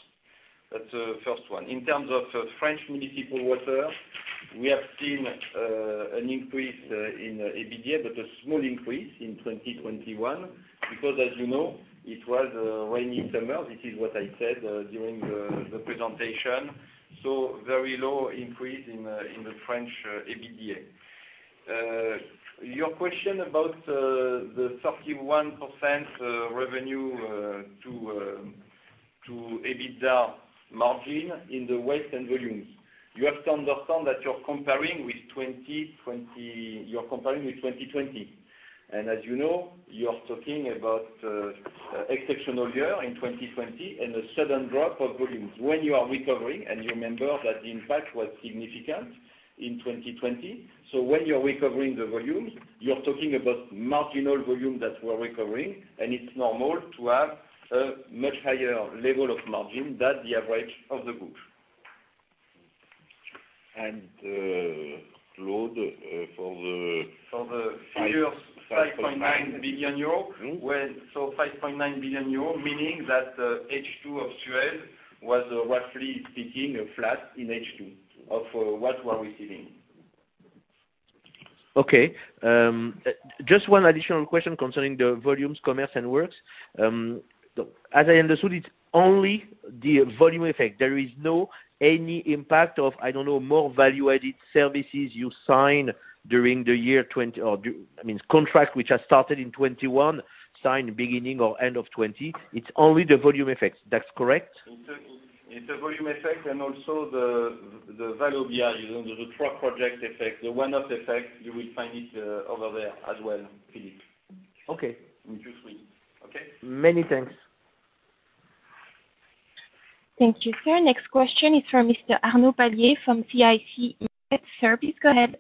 [SPEAKER 4] That's first one. In terms of French municipal water, we have seen an increase in EBITDA, but a small increase in 2021. Because as you know, it was a rainy summer. This is what I said during the presentation. Very low increase in the French EBITDA. Your question about the 31% revenue to EBITDA margin in the waste and volumes. You have to understand that you're comparing with 2020. As you know, you're talking about exceptional year in 2020 and a sudden drop of volumes. When you are recovering, and you remember that the impact was significant in 2020, so when you're recovering the volumes, you're talking about marginal volume that we're recovering, and it's normal to have a much higher level of margin than the average of the group.
[SPEAKER 2] Claude, for the
[SPEAKER 4] For the figures, 5.9 billion euro.
[SPEAKER 2] EUR 5.9.
[SPEAKER 4] 5.9 billion euro, meaning that H2 of SUEZ was roughly speaking flat in H2 of what we're receiving.
[SPEAKER 7] Okay. Just one additional question concerning the volumes, commerce, and works. As I understood, it's only the volume effect. There is no any impact of, I don't know, more value-added services you sign during the year 2020 or, I mean, contract which has started in 2021, signed beginning or end of 2020. It's only the volume effects. That's correct?
[SPEAKER 4] It's a volume effect and also the value add, you know, the truck project effect, the one-off effect. You will find it over there as well, Philippe.
[SPEAKER 7] Okay.
[SPEAKER 4] In 2, 3. Okay?
[SPEAKER 7] Many thanks.
[SPEAKER 1] Thank you, sir. Next question is from Mr. Arnaud Palliez from CIC Market Solutions. Sir, please go ahead.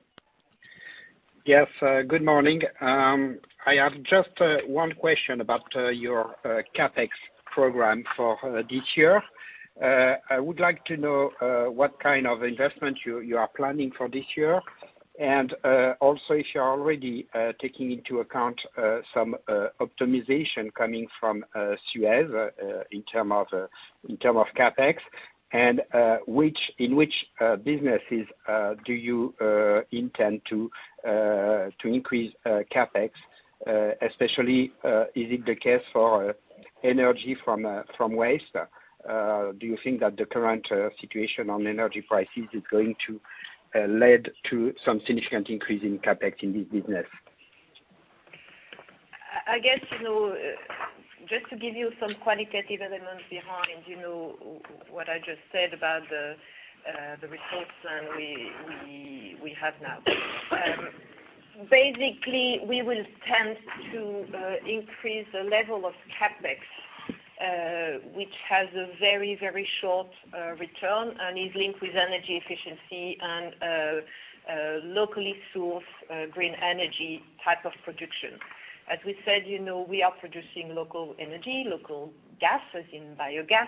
[SPEAKER 8] Yes. Good morning. I have just one question about your CapEx program for this year. I would like to know what kind of investment you are planning for this year. Also if you are already taking into account some optimization coming from SUEZ in terms of CapEx. In which businesses do you intend to increase CapEx, especially, is it the case for energy from waste? Do you think that the current situation on energy prices is going to lead to some significant increase in CapEx in this business?
[SPEAKER 3] I guess, you know, just to give you some qualitative elements behind, you know, what I just said about the results plan we have now. Basically, we will tend to increase the level of CapEx, which has a very short return and is linked with energy efficiency and locally sourced green energy type of production. As we said, you know, we are producing local energy, local gas, as in biogas.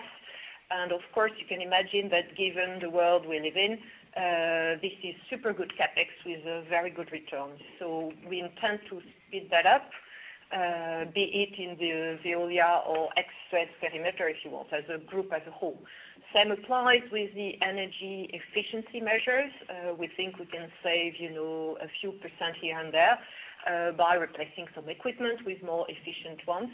[SPEAKER 3] And of course, you can imagine that given the world we live in, this is super good CapEx with very good returns. We intend to speed that up, be it in the Veolia or ex SUEZ perimeter, if you want, as a group as a whole. Same applies with the energy efficiency measures. We think we can save, you know, a few % here and there by replacing some equipment with more efficient ones.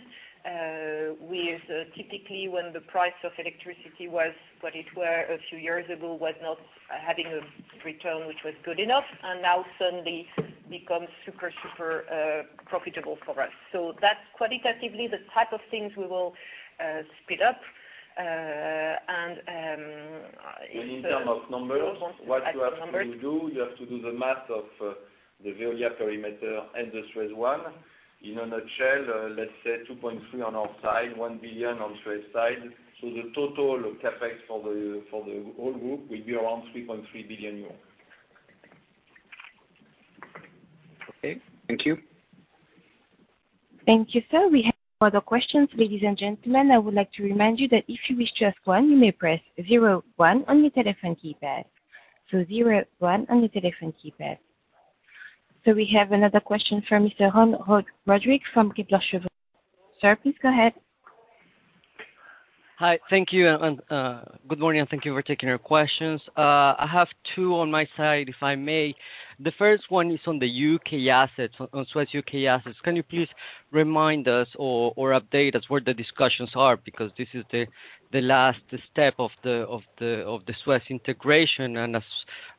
[SPEAKER 3] With typically when the price of electricity was what it was a few years ago, was not having a return which was good enough, and now suddenly becomes super profitable for us. That's qualitatively the type of things we will speed up.
[SPEAKER 2] In terms of numbers, what you have to do, you have to do the math of the Veolia perimeter and the SUEZ one. In a nutshell, let's say 2.3 billion on our side, 1 billion on SUEZ side. The total CapEx for the whole group will be around 3.3 billion euros.
[SPEAKER 8] Okay. Thank you.
[SPEAKER 1] Thank you, sir. We have no other questions. Ladies and gentlemen, I would like to remind you that if you wish to ask one, you may press zero one on your telephone keypad. Zero one on your telephone keypad. We have another question from Mr. Rodrigo Gandara from J.P. Morgan. Sir, please go ahead.
[SPEAKER 9] Hi. Thank you. Good morning, and thank you for taking our questions. I have two on my side, if I may. The first one is on the U.K. assets, on SUEZ U.K. assets. Can you please remind us or update us where the discussions are? Because this is the last step of the SUEZ integration. As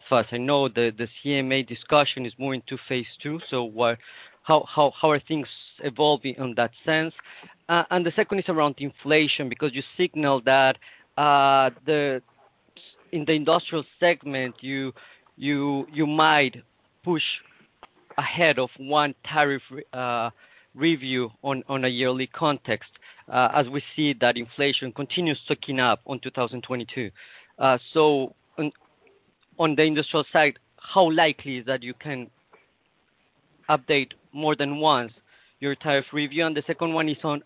[SPEAKER 9] far as I know, the CMA discussion is more into phase two. How are things evolving in that sense? The second is around inflation, because you signaled that in the industrial segment, you might push ahead of one tariff review on a yearly context, as we see that inflation continues ticking up in 2022. On the industrial side, how likely is that you can update more than once your tariff review? The second one is on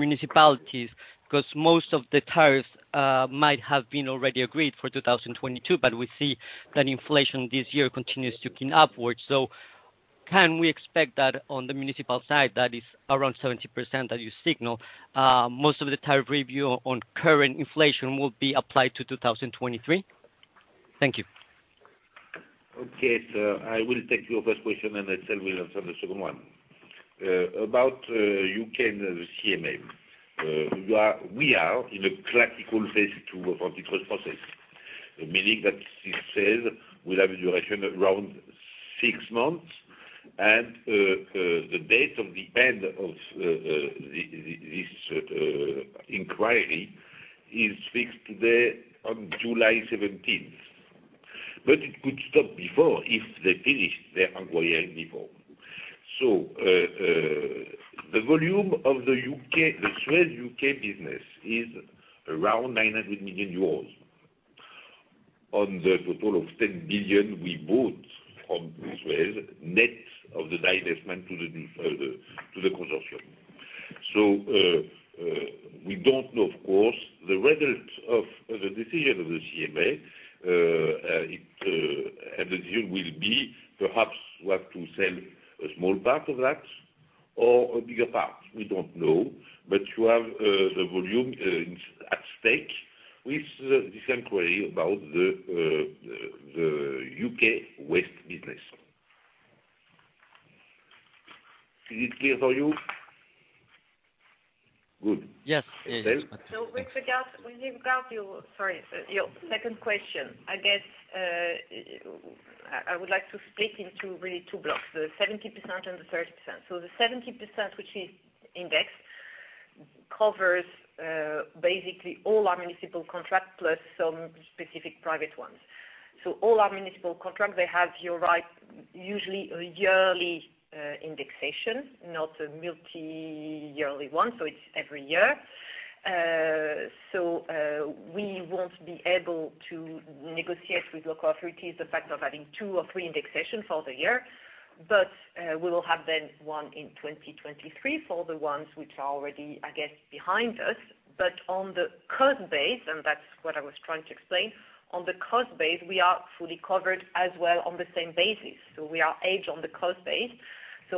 [SPEAKER 9] municipalities, 'cause most of the tariffs might have been already agreed for 2022, but we see that inflation this year continues ticking upwards. Can we expect that on the municipal side, that is around 70% that you signal, most of the tariff review on current inflation will be applied to 2023? Thank you.
[SPEAKER 2] Okay, sir. I will take your first question, and Estelle will answer the second one. About U.K. and the CMA, we are in a classical phase two of antitrust process, meaning that it says we'll have a duration around six months, and the date of the end of this inquiry is fixed today on July 17. It could stop before if they finish their inquiry before. The volume of the U.K., the SUEZ U.K. business is around 900 million euros on the total of 10 billion we bought from SUEZ, net of the divestment to the consortium. We don't know, of course, the result of the decision of the CMA. It and the deal will be perhaps we have to sell a small part of that or a bigger part. We don't know. You have the volume at stake with this inquiry about the U.K. waste business. Is it clear for you? Good.
[SPEAKER 9] Yes.
[SPEAKER 2] Estelle?
[SPEAKER 3] With regard to, sorry, your second question, I guess, I would like to split into really two blocks, the 70% and the 30%. The 70%, which is index, covers basically all our municipal contracts plus some specific private ones. All our municipal contracts, they have you're right, usually a yearly indexation, not a multi-yearly one, so it's every year. We won't be able to negotiate with local authorities the fact of having two or three indexations for the year. But we will have then one in 2023 for the ones which are already, I guess, behind us. But on the cost base, and that's what I was trying to explain, on the cost base, we are fully covered as well on the same basis. We are hedged on the cost base.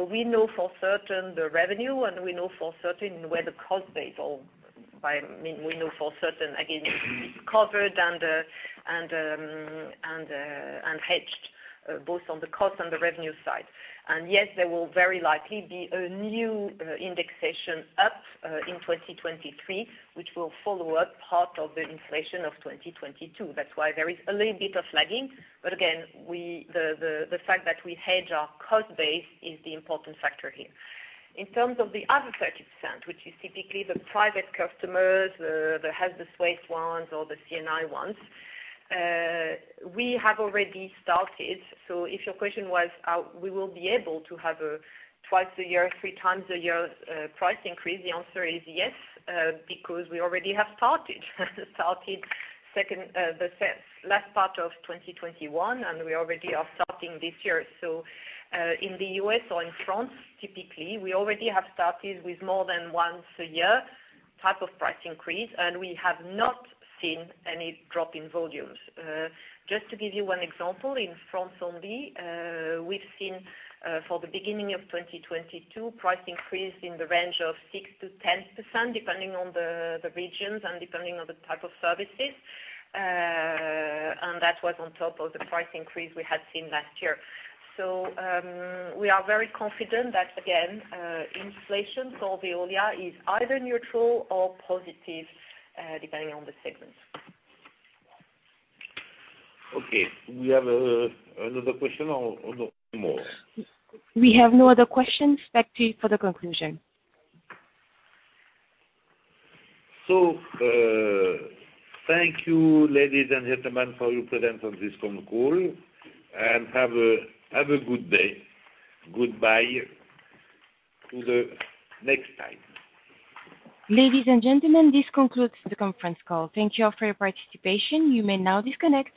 [SPEAKER 3] We know for certain the revenue, and we know for certain, again, it will be covered and hedged, both on the cost and the revenue side. Yes, there will very likely be a new indexation up in 2023, which will follow up part of the inflation of 2022. That's why there is a little bit of lagging. Again, the fact that we hedge our cost base is the important factor here. In terms of the other 30%, which is typically the private customers, the hazardous waste ones or the C&I ones, we have already started. If your question was, we will be able to have twice a year, 3x a year, price increase, the answer is yes, because we already have started second, the last part of 2021, and we already are starting this year. In the U.S. or in France, typically, we already have started with more than once a year type of price increase, and we have not seen any drop in volumes. Just to give you one example, in France only, we've seen for the beginning of 2022, price increase in the range of 6%-10%, depending on the regions and depending on the type of services. And that was on top of the price increase we had seen last year. We are very confident that again, inflation for Veolia is either neutral or positive, depending on the segment.
[SPEAKER 2] Okay. We have another question or no more?
[SPEAKER 1] We have no other questions. Back to you for the conclusion.
[SPEAKER 2] Thank you, ladies and gentlemen, for your presence on this conference call, and have a good day. Goodbye to the next time.
[SPEAKER 1] Ladies and gentlemen, this concludes the conference call. Thank you all for your participation. You may now disconnect.